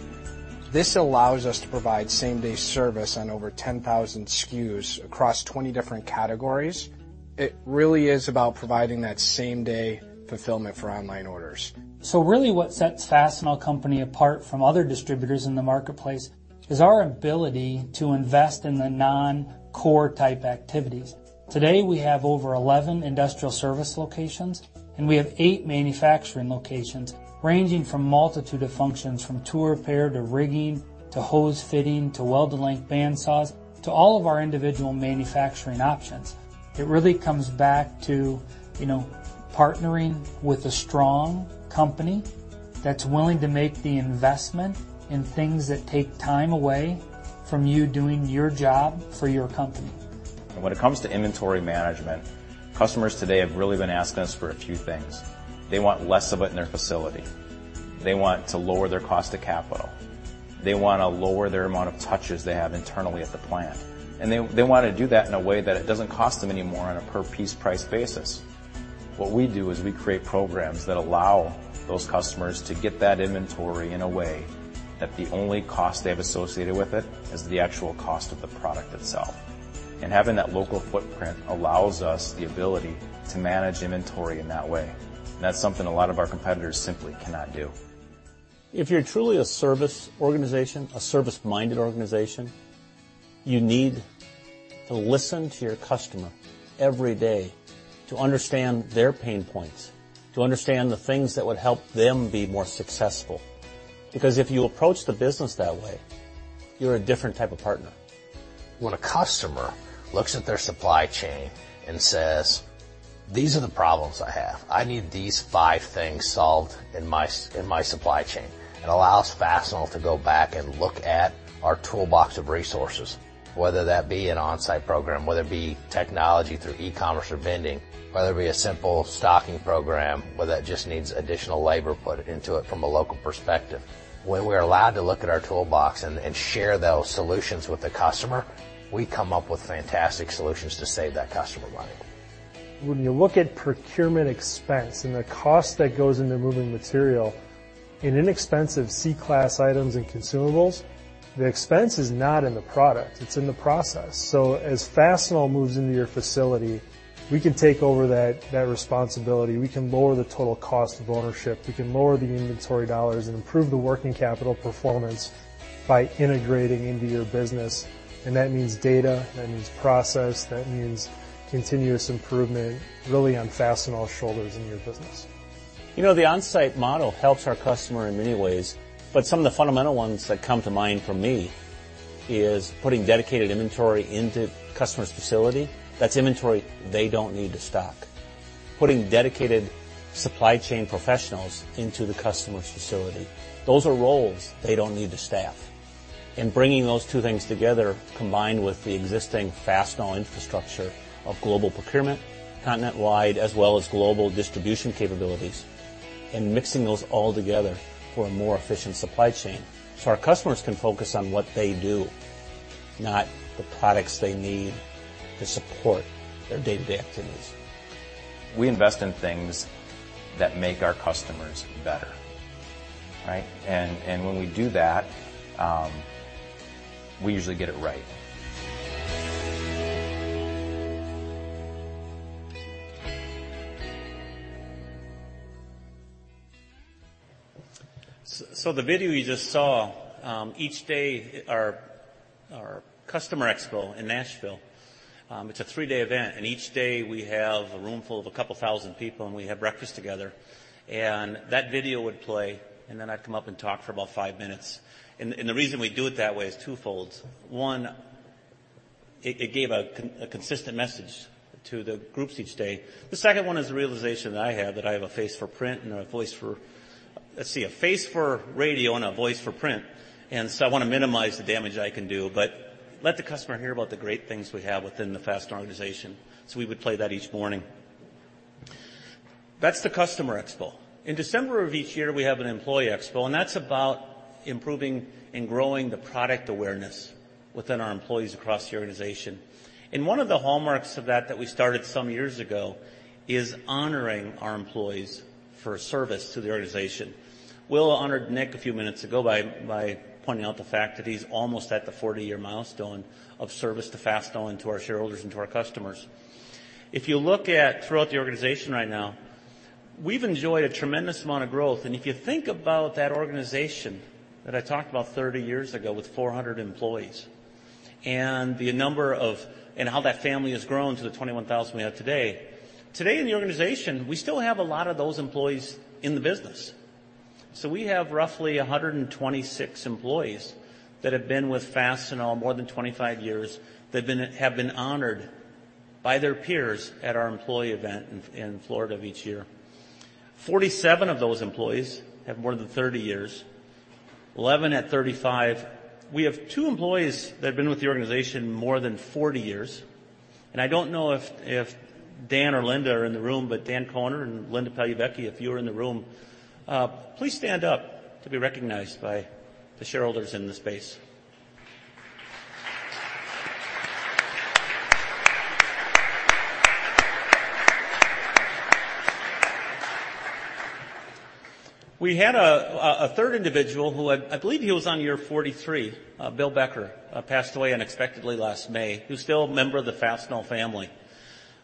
this allows us to provide same-day service on over 10,000 SKUs across 20 different categories. It really is about providing that same-day fulfillment for online orders. Really what sets Fastenal Company apart from other distributors in the marketplace is our ability to invest in the non-core type activities. Today, we have over 11 industrial service locations, and we have eight manufacturing locations ranging from multitude of functions, from tool repair to rigging to hose fitting to weld-to-length band saws, to all of our individual manufacturing options. It really comes back to partnering with a strong company that's willing to make the investment in things that take time away from you doing your job for your company. When it comes to inventory management, customers today have really been asking us for a few things. They want less of it in their facility. They want to lower their cost to capital. They want to lower their amount of touches they have internally at the plant. They want to do that in a way that it doesn't cost them any more on a per piece price basis. What we do is we create programs that allow those customers to get that inventory in a way that the only cost they have associated with it is the actual cost of the product itself. Having that local footprint allows us the ability to manage inventory in that way. That's something a lot of our competitors simply cannot do. If you're truly a service organization, a service-minded organization, you need to listen to your customer every day to understand their pain points, to understand the things that would help them be more successful. Because if you approach the business that way, you're a different type of partner. When a customer looks at their supply chain and says, "These are the problems I have. I need these five things solved in my supply chain." It allows Fastenal to go back and look at our toolbox of resources, whether that be an onsite program, whether it be technology through e-commerce or vending, whether it be a simple stocking program, whether that just needs additional labor put into it from a local perspective. When we're allowed to look at our toolbox and share those solutions with the customer, we come up with fantastic solutions to save that customer money. When you look at procurement expense and the cost that goes into moving material, in inexpensive C-class items and consumables, the expense is not in the product, it's in the process. As Fastenal moves into your facility, we can take over that responsibility. We can lower the total cost of ownership. We can lower the inventory dollars and improve the working capital performance by integrating into your business, and that means data. That means process. That means continuous improvement really on Fastenal's shoulders in your business. The onsite model helps our customer in many ways, but some of the fundamental ones that come to mind for me is putting dedicated inventory into customer's facility. That's inventory they don't need to stock. Putting dedicated supply chain professionals into the customer's facility. Those are roles they don't need to staff. Bringing those two things together, combined with the existing Fastenal infrastructure of global procurement, continent wide, as well as global distribution capabilities. Mixing those all together for a more efficient supply chain so our customers can focus on what they do, not the products they need to support their day-to-day activities. We invest in things that make our customers better, right? When we do that, we usually get it right. The video you just saw, each day our customer expo in Nashville, it's a three-day event, and each day we have a room full of a couple thousand people, and we have breakfast together. That video would play, and then I'd come up and talk for about five minutes. The reason we do it that way is twofolds. One, it gave a consistent message to the groups each day. The second one is the realization that I have that I have a face for print and a voice for-- let's see, a face for radio and a voice for print, and I want to minimize the damage I can do, but let the customer hear about the great things we have within the Fastenal organization. We would play that each morning. That's the customer expo. In December of each year, we have an employee expo, and that's about improving and growing the product awareness within our employees across the organization. One of the hallmarks of that that we started some years ago is honoring our employees for service to the organization. Will honored Nick a few minutes ago by pointing out the fact that he's almost at the 40-year milestone of service to Fastenal, and to our shareholders, and to our customers. If you look at throughout the organization right now, we've enjoyed a tremendous amount of growth. If you think about that organization that I talked about 30 years ago with 400 employees, and how that family has grown to the 21,000 we have today in the organization, we still have a lot of those employees in the business. We have roughly 126 employees that have been with Fastenal more than 25 years, that have been honored by their peers at our employee event in Florida each year. 47 of those employees have more than 30 years. 11 at 35. We have two employees that have been with the organization more than 40 years, and I don't know if Dan or Linda are in the room, but Dan Conner and Linda Pagliacci, if you are in the room, please stand up to be recognized by the shareholders in the space. We had a third individual who I believe he was on year 43, Bill Becker, passed away unexpectedly last May. He was still a member of the Fastenal family.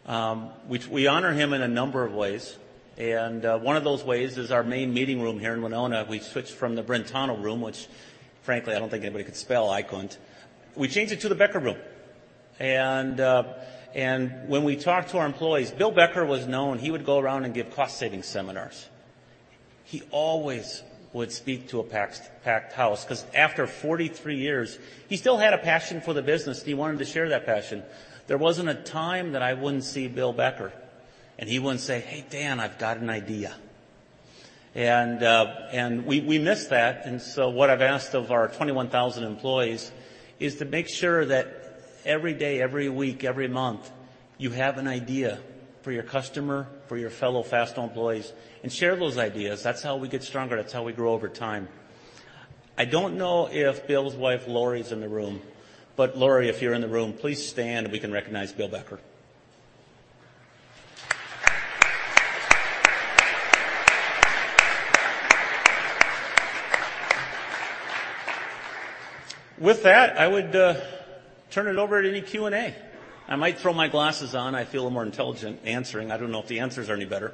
We honor him in a number of ways, and one of those ways is our main meeting room here in Winona. We switched from the Brentano room, which frankly I don't think anybody could spell. I couldn't. We changed it to the Becker room. When we talk to our employees, Bill Becker was known, he would go around and give cost saving seminars. He always would speak to a packed house because after 43 years, he still had a passion for the business, and he wanted to share that passion. There wasn't a time that I wouldn't see Bill Becker and he wouldn't say, "Hey, Dan, I've got an idea." We miss that, what I've asked of our 21,000 employees is to make sure that every day, every week, every month, you have an idea for your customer, for your fellow Fastenal employees, and share those ideas. That's how we get stronger. That's how we grow over time. I don't know if Bill's wife Lori's in the room, but Lori, if you're in the room, please stand and we can recognize Bill Becker. With that, I would turn it over to any Q&A. I might throw my glasses on. I feel more intelligent answering. I don't know if the answers are any better.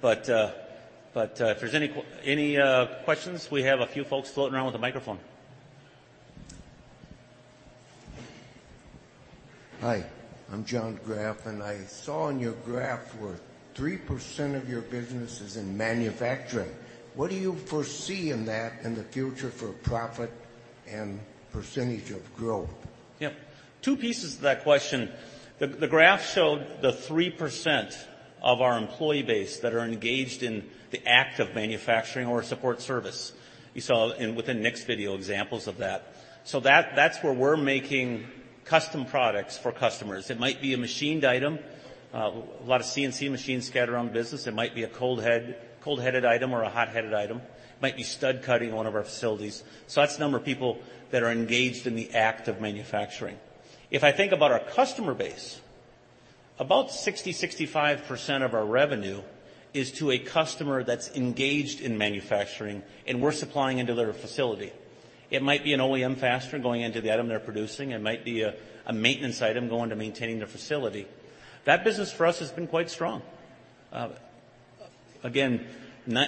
If there's any questions, we have a few folks floating around with a microphone. Hi, I'm John Graf, I saw on your graph where 3% of your business is in manufacturing. What do you foresee in that in the future for profit and percentage of growth? Yes. Two pieces to that question. The graph showed the 3% of our employee base that are engaged in the act of manufacturing or support service. You saw within Nick's video examples of that. That's where we're making custom products for customers. It might be a machined item, a lot of CNC machines scattered around the business. It might be a cold-headed item or a hot-headed item. It might be stud cutting in one of our facilities. That's the number of people that are engaged in the act of manufacturing. If I think about our customer base, about 60%-65% of our revenue is to a customer that's engaged in manufacturing, and we're supplying into their facility. It might be an OEM fastener going into the item they're producing. It might be a maintenance item going to maintaining their facility. That business for us has been quite strong. Again,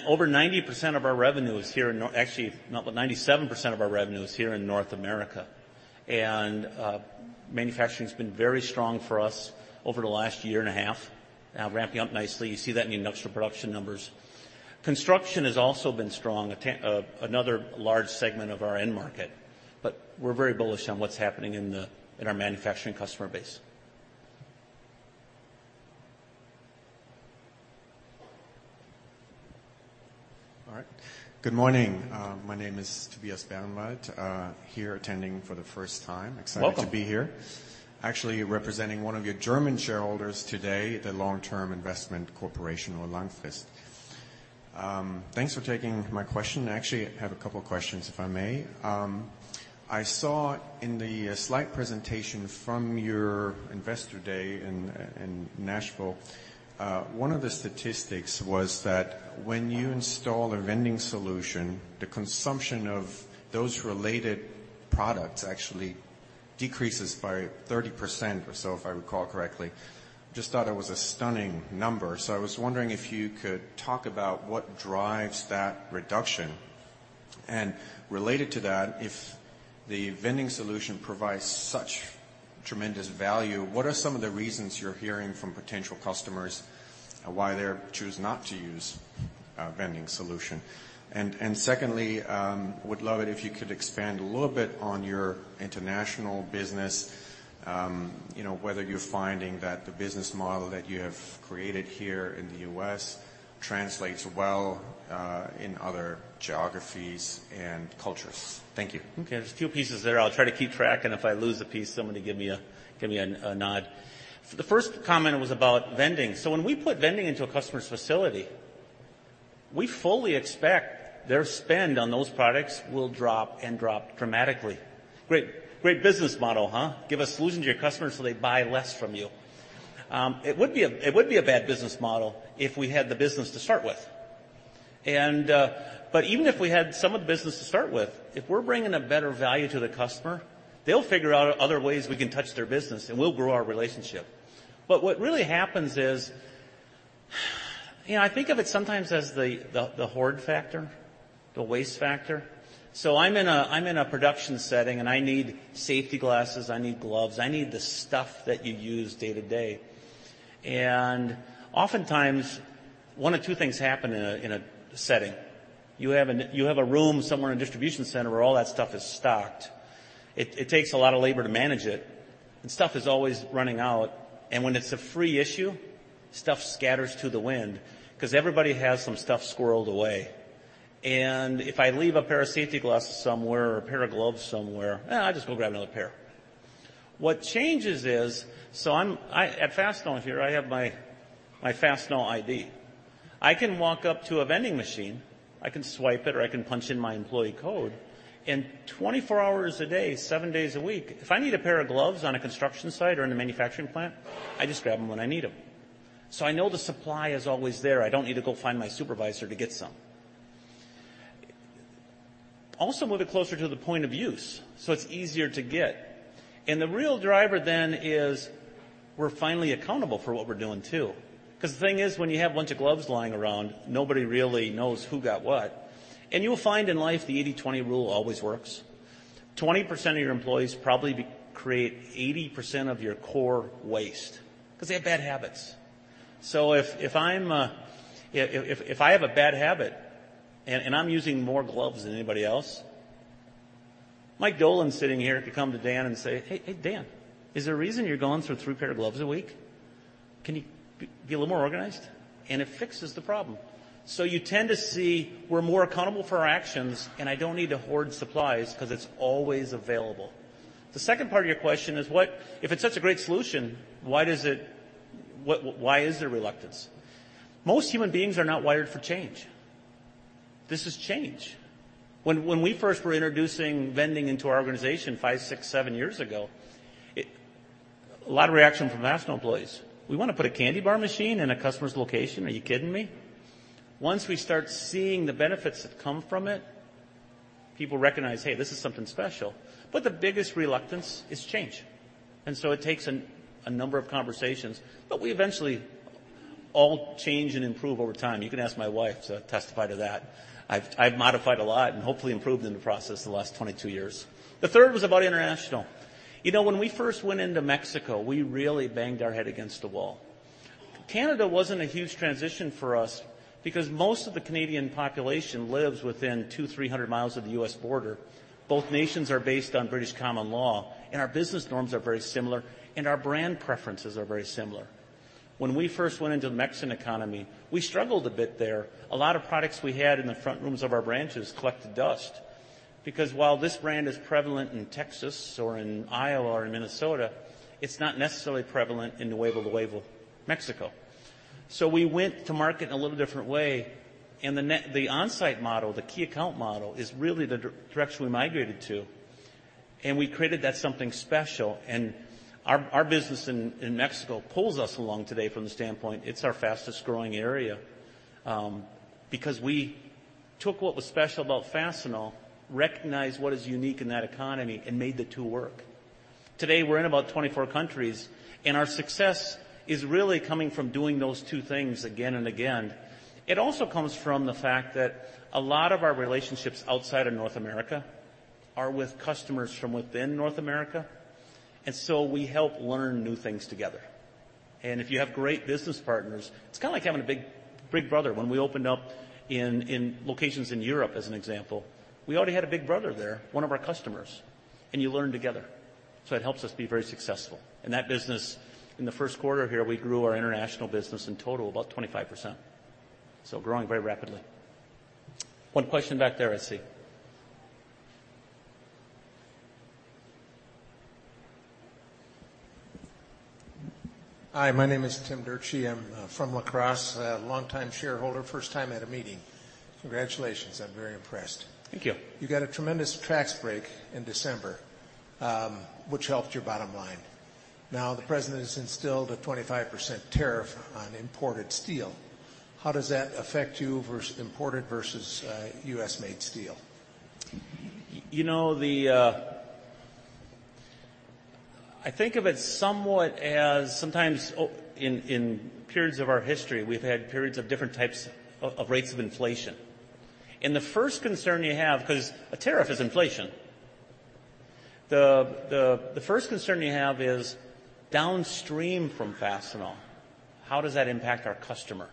over 90% of our revenue is here, actually 97% of our revenue is here in North America. Manufacturing's been very strong for us over the last year and a half, ramping up nicely. You see that in the industrial production numbers. Construction has also been strong, another large segment of our end market, but we're very bullish on what's happening in our manufacturing customer base. All right. Good morning. My name is Tobias Bernlight. Here attending for the first time. Welcome. Excited to be here. Actually representing one of your German shareholders today, the Long-Term Investment Corporation, or Langfrist. Thanks for taking my question. I actually have a couple of questions, if I may. I saw in the slide presentation from your investor day in Nashville, one of the statistics was that when you install a vending solution, the consumption of those related products actually decreases by 30% or so, if I recall correctly. Just thought it was a stunning number. I was wondering if you could talk about what drives that reduction. Related to that, if the vending solution provides such tremendous value, what are some of the reasons you're hearing from potential customers on why they choose not to use a vending solution? Secondly, would love it if you could expand a little bit on your international business, whether you're finding that the business model that you have created here in the U.S. translates well in other geographies and cultures. Thank you. Okay, there's a few pieces there. I'll try to keep track. If I lose a piece, somebody give me a nod. The first comment was about vending. When we put vending into a customer's facility, we fully expect their spend on those products will drop and drop dramatically. Great business model, huh. Give a solution to your customers so they buy less from you. It would be a bad business model if we had the business to start with. Even if we had some of the business to start with, if we're bringing a better value to the customer, they'll figure out other ways we can touch their business, and we'll grow our relationship. What really happens is, I think of it sometimes as the hoard factor, the waste factor. I'm in a production setting and I need safety glasses, I need gloves, I need the stuff that you use day to day. Oftentimes, one of two things happen in a setting. You have a room somewhere in a distribution center where all that stuff is stocked. It takes a lot of labor to manage it, and stuff is always running out. When it's a free issue, stuff scatters to the wind because everybody has some stuff squirreled away. If I leave a pair of safety glasses somewhere or a pair of gloves somewhere, eh, I'll just go grab another pair. What changes is, at Fastenal here, I have my Fastenal ID. I can walk up to a vending machine, I can swipe it, or I can punch in my employee code, and 24 hours a day, seven days a week, if I need a pair of gloves on a construction site or in a manufacturing plant, I just grab them when I need them. I know the supply is always there. I don't need to go find my supervisor to get some. Also move it closer to the point of use, so it's easier to get. The real driver then is we're finally accountable for what we're doing too, because the thing is, when you have a bunch of gloves lying around, nobody really knows who got what. You'll find in life, the 80/20 rule always works. 20% of your employees probably create 80% of your core waste because they have bad habits. If I have a bad habit and I'm using more gloves than anybody else, Mike Dolan sitting here could come to Dan and say, "Hey, Dan, is there a reason you're going through three pair of gloves a week? Can you be a little more organized?" It fixes the problem. You tend to see we're more accountable for our actions, and I don't need to hoard supplies because it's always available. The second part of your question is, if it's such a great solution, why is there reluctance? Most human beings are not wired for change. This is change. When we first were introducing vending into our organization five, six, seven years ago, a lot of reaction from Fastenal employees. "We want to put a candy bar machine in a customer's location? Are you kidding me?" Once we start seeing the benefits that come from it, people recognize, hey, this is something special. The biggest reluctance is change. It takes a number of conversations. We eventually all change and improve over time. You can ask my wife to testify to that. I've modified a lot and hopefully improved in the process the last 22 years. The third was about international. When we first went into Mexico, we really banged our head against the wall. Canada wasn't a huge transition for us because most of the Canadian population lives within 200, 300 miles of the U.S. border. Both nations are based on British common law, and our business norms are very similar, and our brand preferences are very similar. When we first went into the Mexican economy, we struggled a bit there. A lot of products we had in the front rooms of our branches collected dust because while this brand is prevalent in Texas or in Iowa or in Minnesota, it's not necessarily prevalent in Nuevo León, Mexico. We went to market in a little different way, and the onsite model, the key account model, is really the direction we migrated to, and we created that something special. Our business in Mexico pulls us along today from the standpoint it's our fastest growing area, because we took what was special about Fastenal, recognized what is unique in that economy, and made the two work. Today, we're in about 24 countries, and our success is really coming from doing those two things again and again. It also comes from the fact that a lot of our relationships outside of North America are with customers from within North America, and so we help learn new things together. If you have great business partners, it's kind of like having a big brother. When we opened up in locations in Europe, as an example, we already had a big brother there, one of our customers. You learn together. It helps us be very successful. That business, in the first quarter here, we grew our international business in total about 25%. Growing very rapidly. One question back there, I see. Hi, my name is Tim Durchie. I'm from La Crosse. Long time shareholder, first time at a meeting. Congratulations, I'm very impressed. Thank you. You got a tremendous tax break in December, which helped your bottom line. The president has instilled a 25% tariff on imported steel. How does that affect you, imported versus U.S.-made steel? I think of it somewhat as sometimes in periods of our history, we've had periods of different types of rates of inflation. The first concern you have, because a tariff is inflation, the first concern you have is downstream from Fastenal. How does that impact our customer?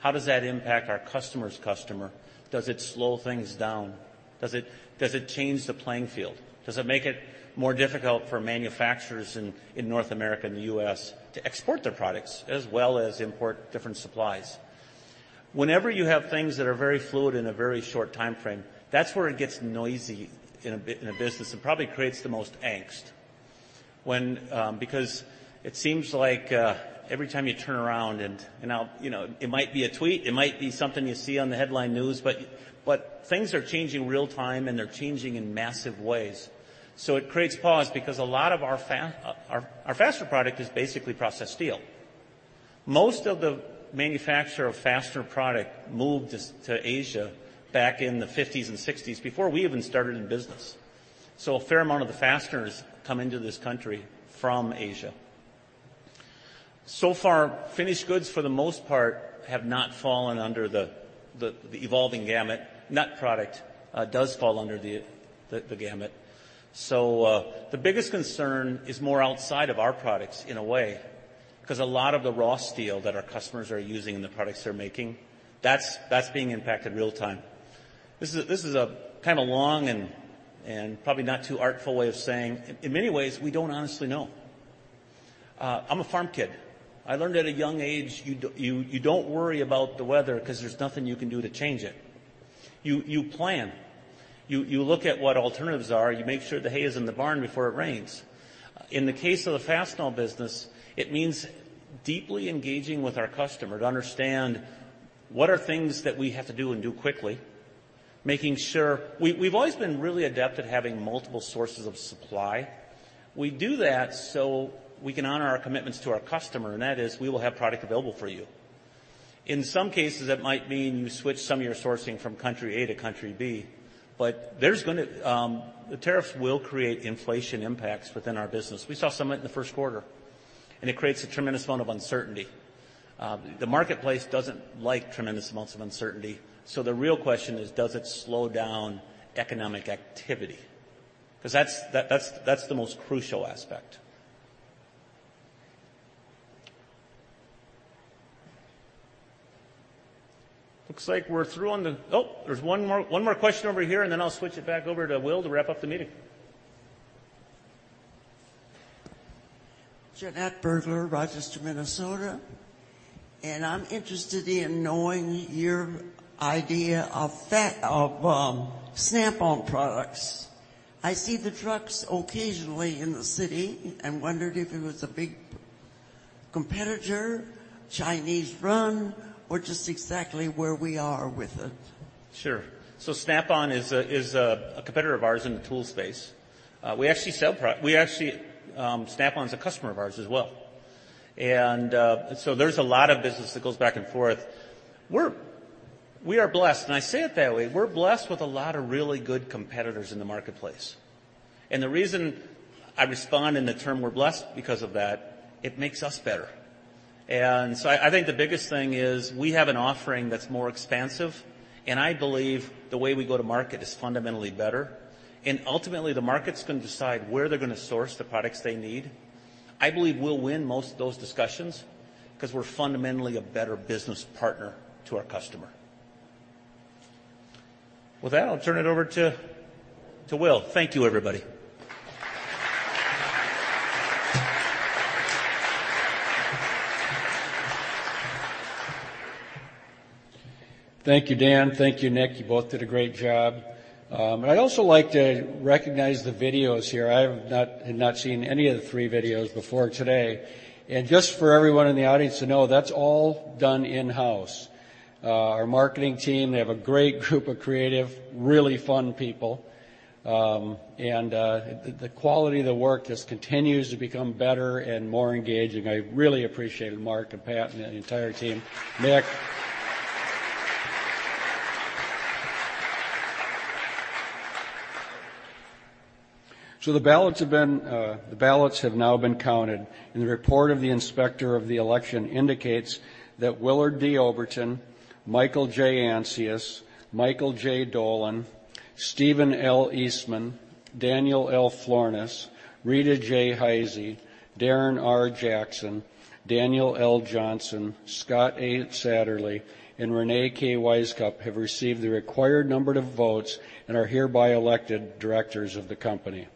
How does that impact our customer's customer? Does it slow things down? Does it change the playing field? Does it make it more difficult for manufacturers in North America and the U.S. to export their products as well as import different supplies? Whenever you have things that are very fluid in a very short timeframe, that's where it gets noisy in a business and probably creates the most angst. It seems like every time you turn around and it might be a tweet, it might be something you see on the headline news, but things are changing real time, and they're changing in massive ways. It creates pause because our fastener product is basically processed steel. Most of the manufacture of fastener product moved to Asia back in the '50s and '60s, before we even started in business. A fair amount of the fasteners come into this country from Asia. Far, finished goods, for the most part, have not fallen under the evolving gamut. Nut product does fall under the gamut. The biggest concern is more outside of our products in a way, because a lot of the raw steel that our customers are using and the products they're making, that's being impacted real time. This is a kind of long and probably not too artful way of saying, in many ways, we don't honestly know. I'm a farm kid. I learned at a young age you don't worry about the weather because there's nothing you can do to change it. You plan. You look at what alternatives are. You make sure the hay is in the barn before it rains. In the case of the Fastenal business, it means deeply engaging with our customer to understand what are things that we have to do and do quickly. We've always been really adept at having multiple sources of supply. We do that so we can honor our commitments to our customer, and that is we will have product available for you. In some cases, that might mean you switch some of your sourcing from country A to country B, the tariff will create inflation impacts within our business. We saw some of it in the first quarter, it creates a tremendous amount of uncertainty. The marketplace doesn't like tremendous amounts of uncertainty, the real question is does it slow down economic activity? That's the most crucial aspect. Looks like we're through on the There's one more question over here, then I'll switch it back over to Will to wrap up the meeting. Jeanette Burglar, Rochester, Minnesota. I'm interested in knowing your idea of Snap-on products. I see the trucks occasionally in the city and wondered if it was a big competitor, Chinese-run, or just exactly where we are with it. Sure. Snap-on is a competitor of ours in the tool space. Snap-on's a customer of ours as well. There's a lot of business that goes back and forth. We are blessed, and I say it that way. We're blessed with a lot of really good competitors in the marketplace. The reason I respond in the term we're blessed because of that, it makes us better. I think the biggest thing is we have an offering that's more expansive, and I believe the way we go to market is fundamentally better. Ultimately, the market's going to decide where they're going to source the products they need. I believe we will win most of those discussions because we're fundamentally a better business partner to our customer. With that, I will turn it over to Will. Thank you, everybody. Thank you, Dan. Thank you, Nick. You both did a great job. I would also like to recognize the videos here. I have not seen any of the three videos before today. Just for everyone in the audience to know, that's all done in-house. Our marketing team, they have a great group of creative, really fun people. The quality of the work just continues to become better and more engaging. I really appreciated Mark and Pat and the entire team. Nick. The ballots have now been counted, and the report of the Inspector of Election indicates that Willard D. Oberton, Michael J. Ancius, Michael J. Dolan, Stephen L. Eastman, Daniel L. Florness, Rita J. Heise, Darren R. Jackson, Daniel L. Johnson, Scott A. Satterlee, and Reyne K. Wisecup have received the required number of votes and are hereby elected directors of the company.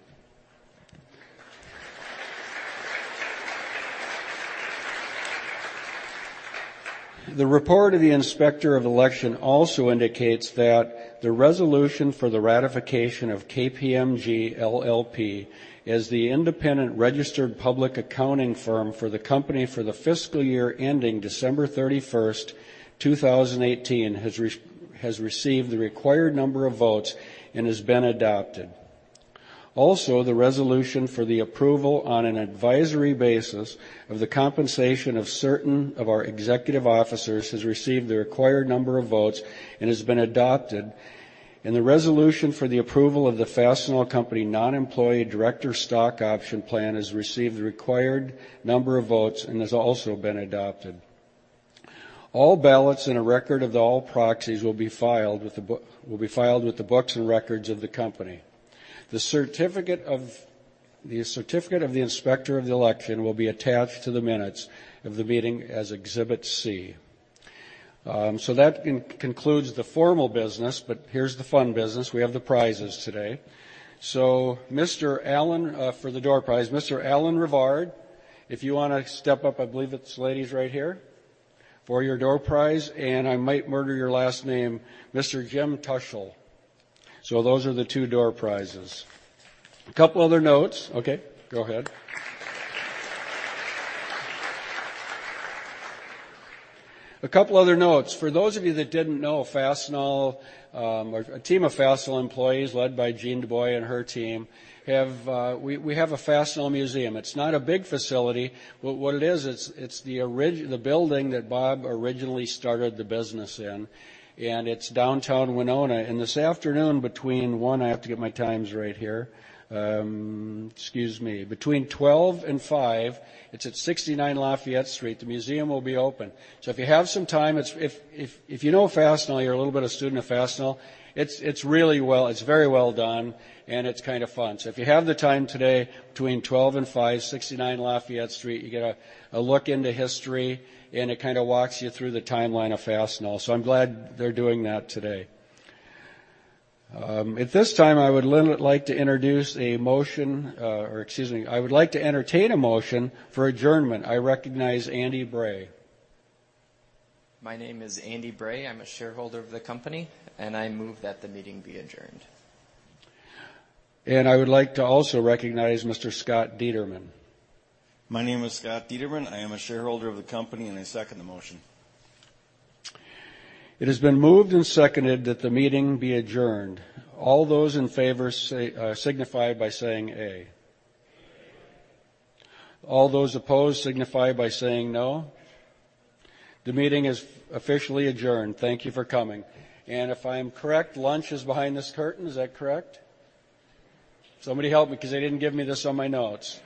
The report of the Inspector of Election also indicates that the resolution for the ratification of KPMG LLP as the independent registered public accounting firm for the company for the fiscal year ending December 31, 2018, has received the required number of votes and has been adopted. Also, the resolution for the approval on an advisory basis of the compensation of certain of our executive officers has received the required number of votes and has been adopted, and the resolution for the approval of the Fastenal Company non-employee director stock option plan has received the required number of votes and has also been adopted. All ballots and a record of all proxies will be filed with the books and records of the company. The certificate of the Inspector of Election will be attached to the minutes of the meeting as Exhibit C. That concludes the formal business, but here is the fun business. We have the prizes today. For the door prize, Mr. Alan Rivard, if you want to step up, I believe this lady is right here, for your door prize. I might murder your last name, Mr. Jim Tushaus. Those are the two door prizes. A couple other notes. Okay, go ahead. A couple other notes. For those of you that didn't know, a team of Fastenal employees led by Jean DuBois and her team, we have a Fastenal Museum. It's not a big facility, but what it is, it's the building that Bob originally started the business in, and it's downtown Winona. This afternoon, between 12 and 5, it is at 69 Lafayette Street. The museum will be open. If you have some time, if you know Fastenal, you're a little bit of a student of Fastenal, it's very well done, and it's kind of fun. If you have the time today between 12 and 5, 69 Lafayette Street, you get a look into history, and it walks you through the timeline of Fastenal. I'm glad they're doing that today. At this time, I would like to introduce a motion, or excuse me, I would like to entertain a motion for adjournment. I recognize Andy Bray. My name is Andy Bray. I'm a shareholder of the company, and I move that the meeting be adjourned. I would like to also recognize Mr. Scott Satterlee. My name is Scott Satterlee. I am a shareholder of the company, and I second the motion. It has been moved and seconded that the meeting be adjourned. All those in favor, signify by saying "A. A. All those opposed, signify by saying "no." The meeting is officially adjourned. Thank you for coming. If I'm correct, lunch is behind this curtain. Is that correct? Somebody help me because they didn't give me this on my notes.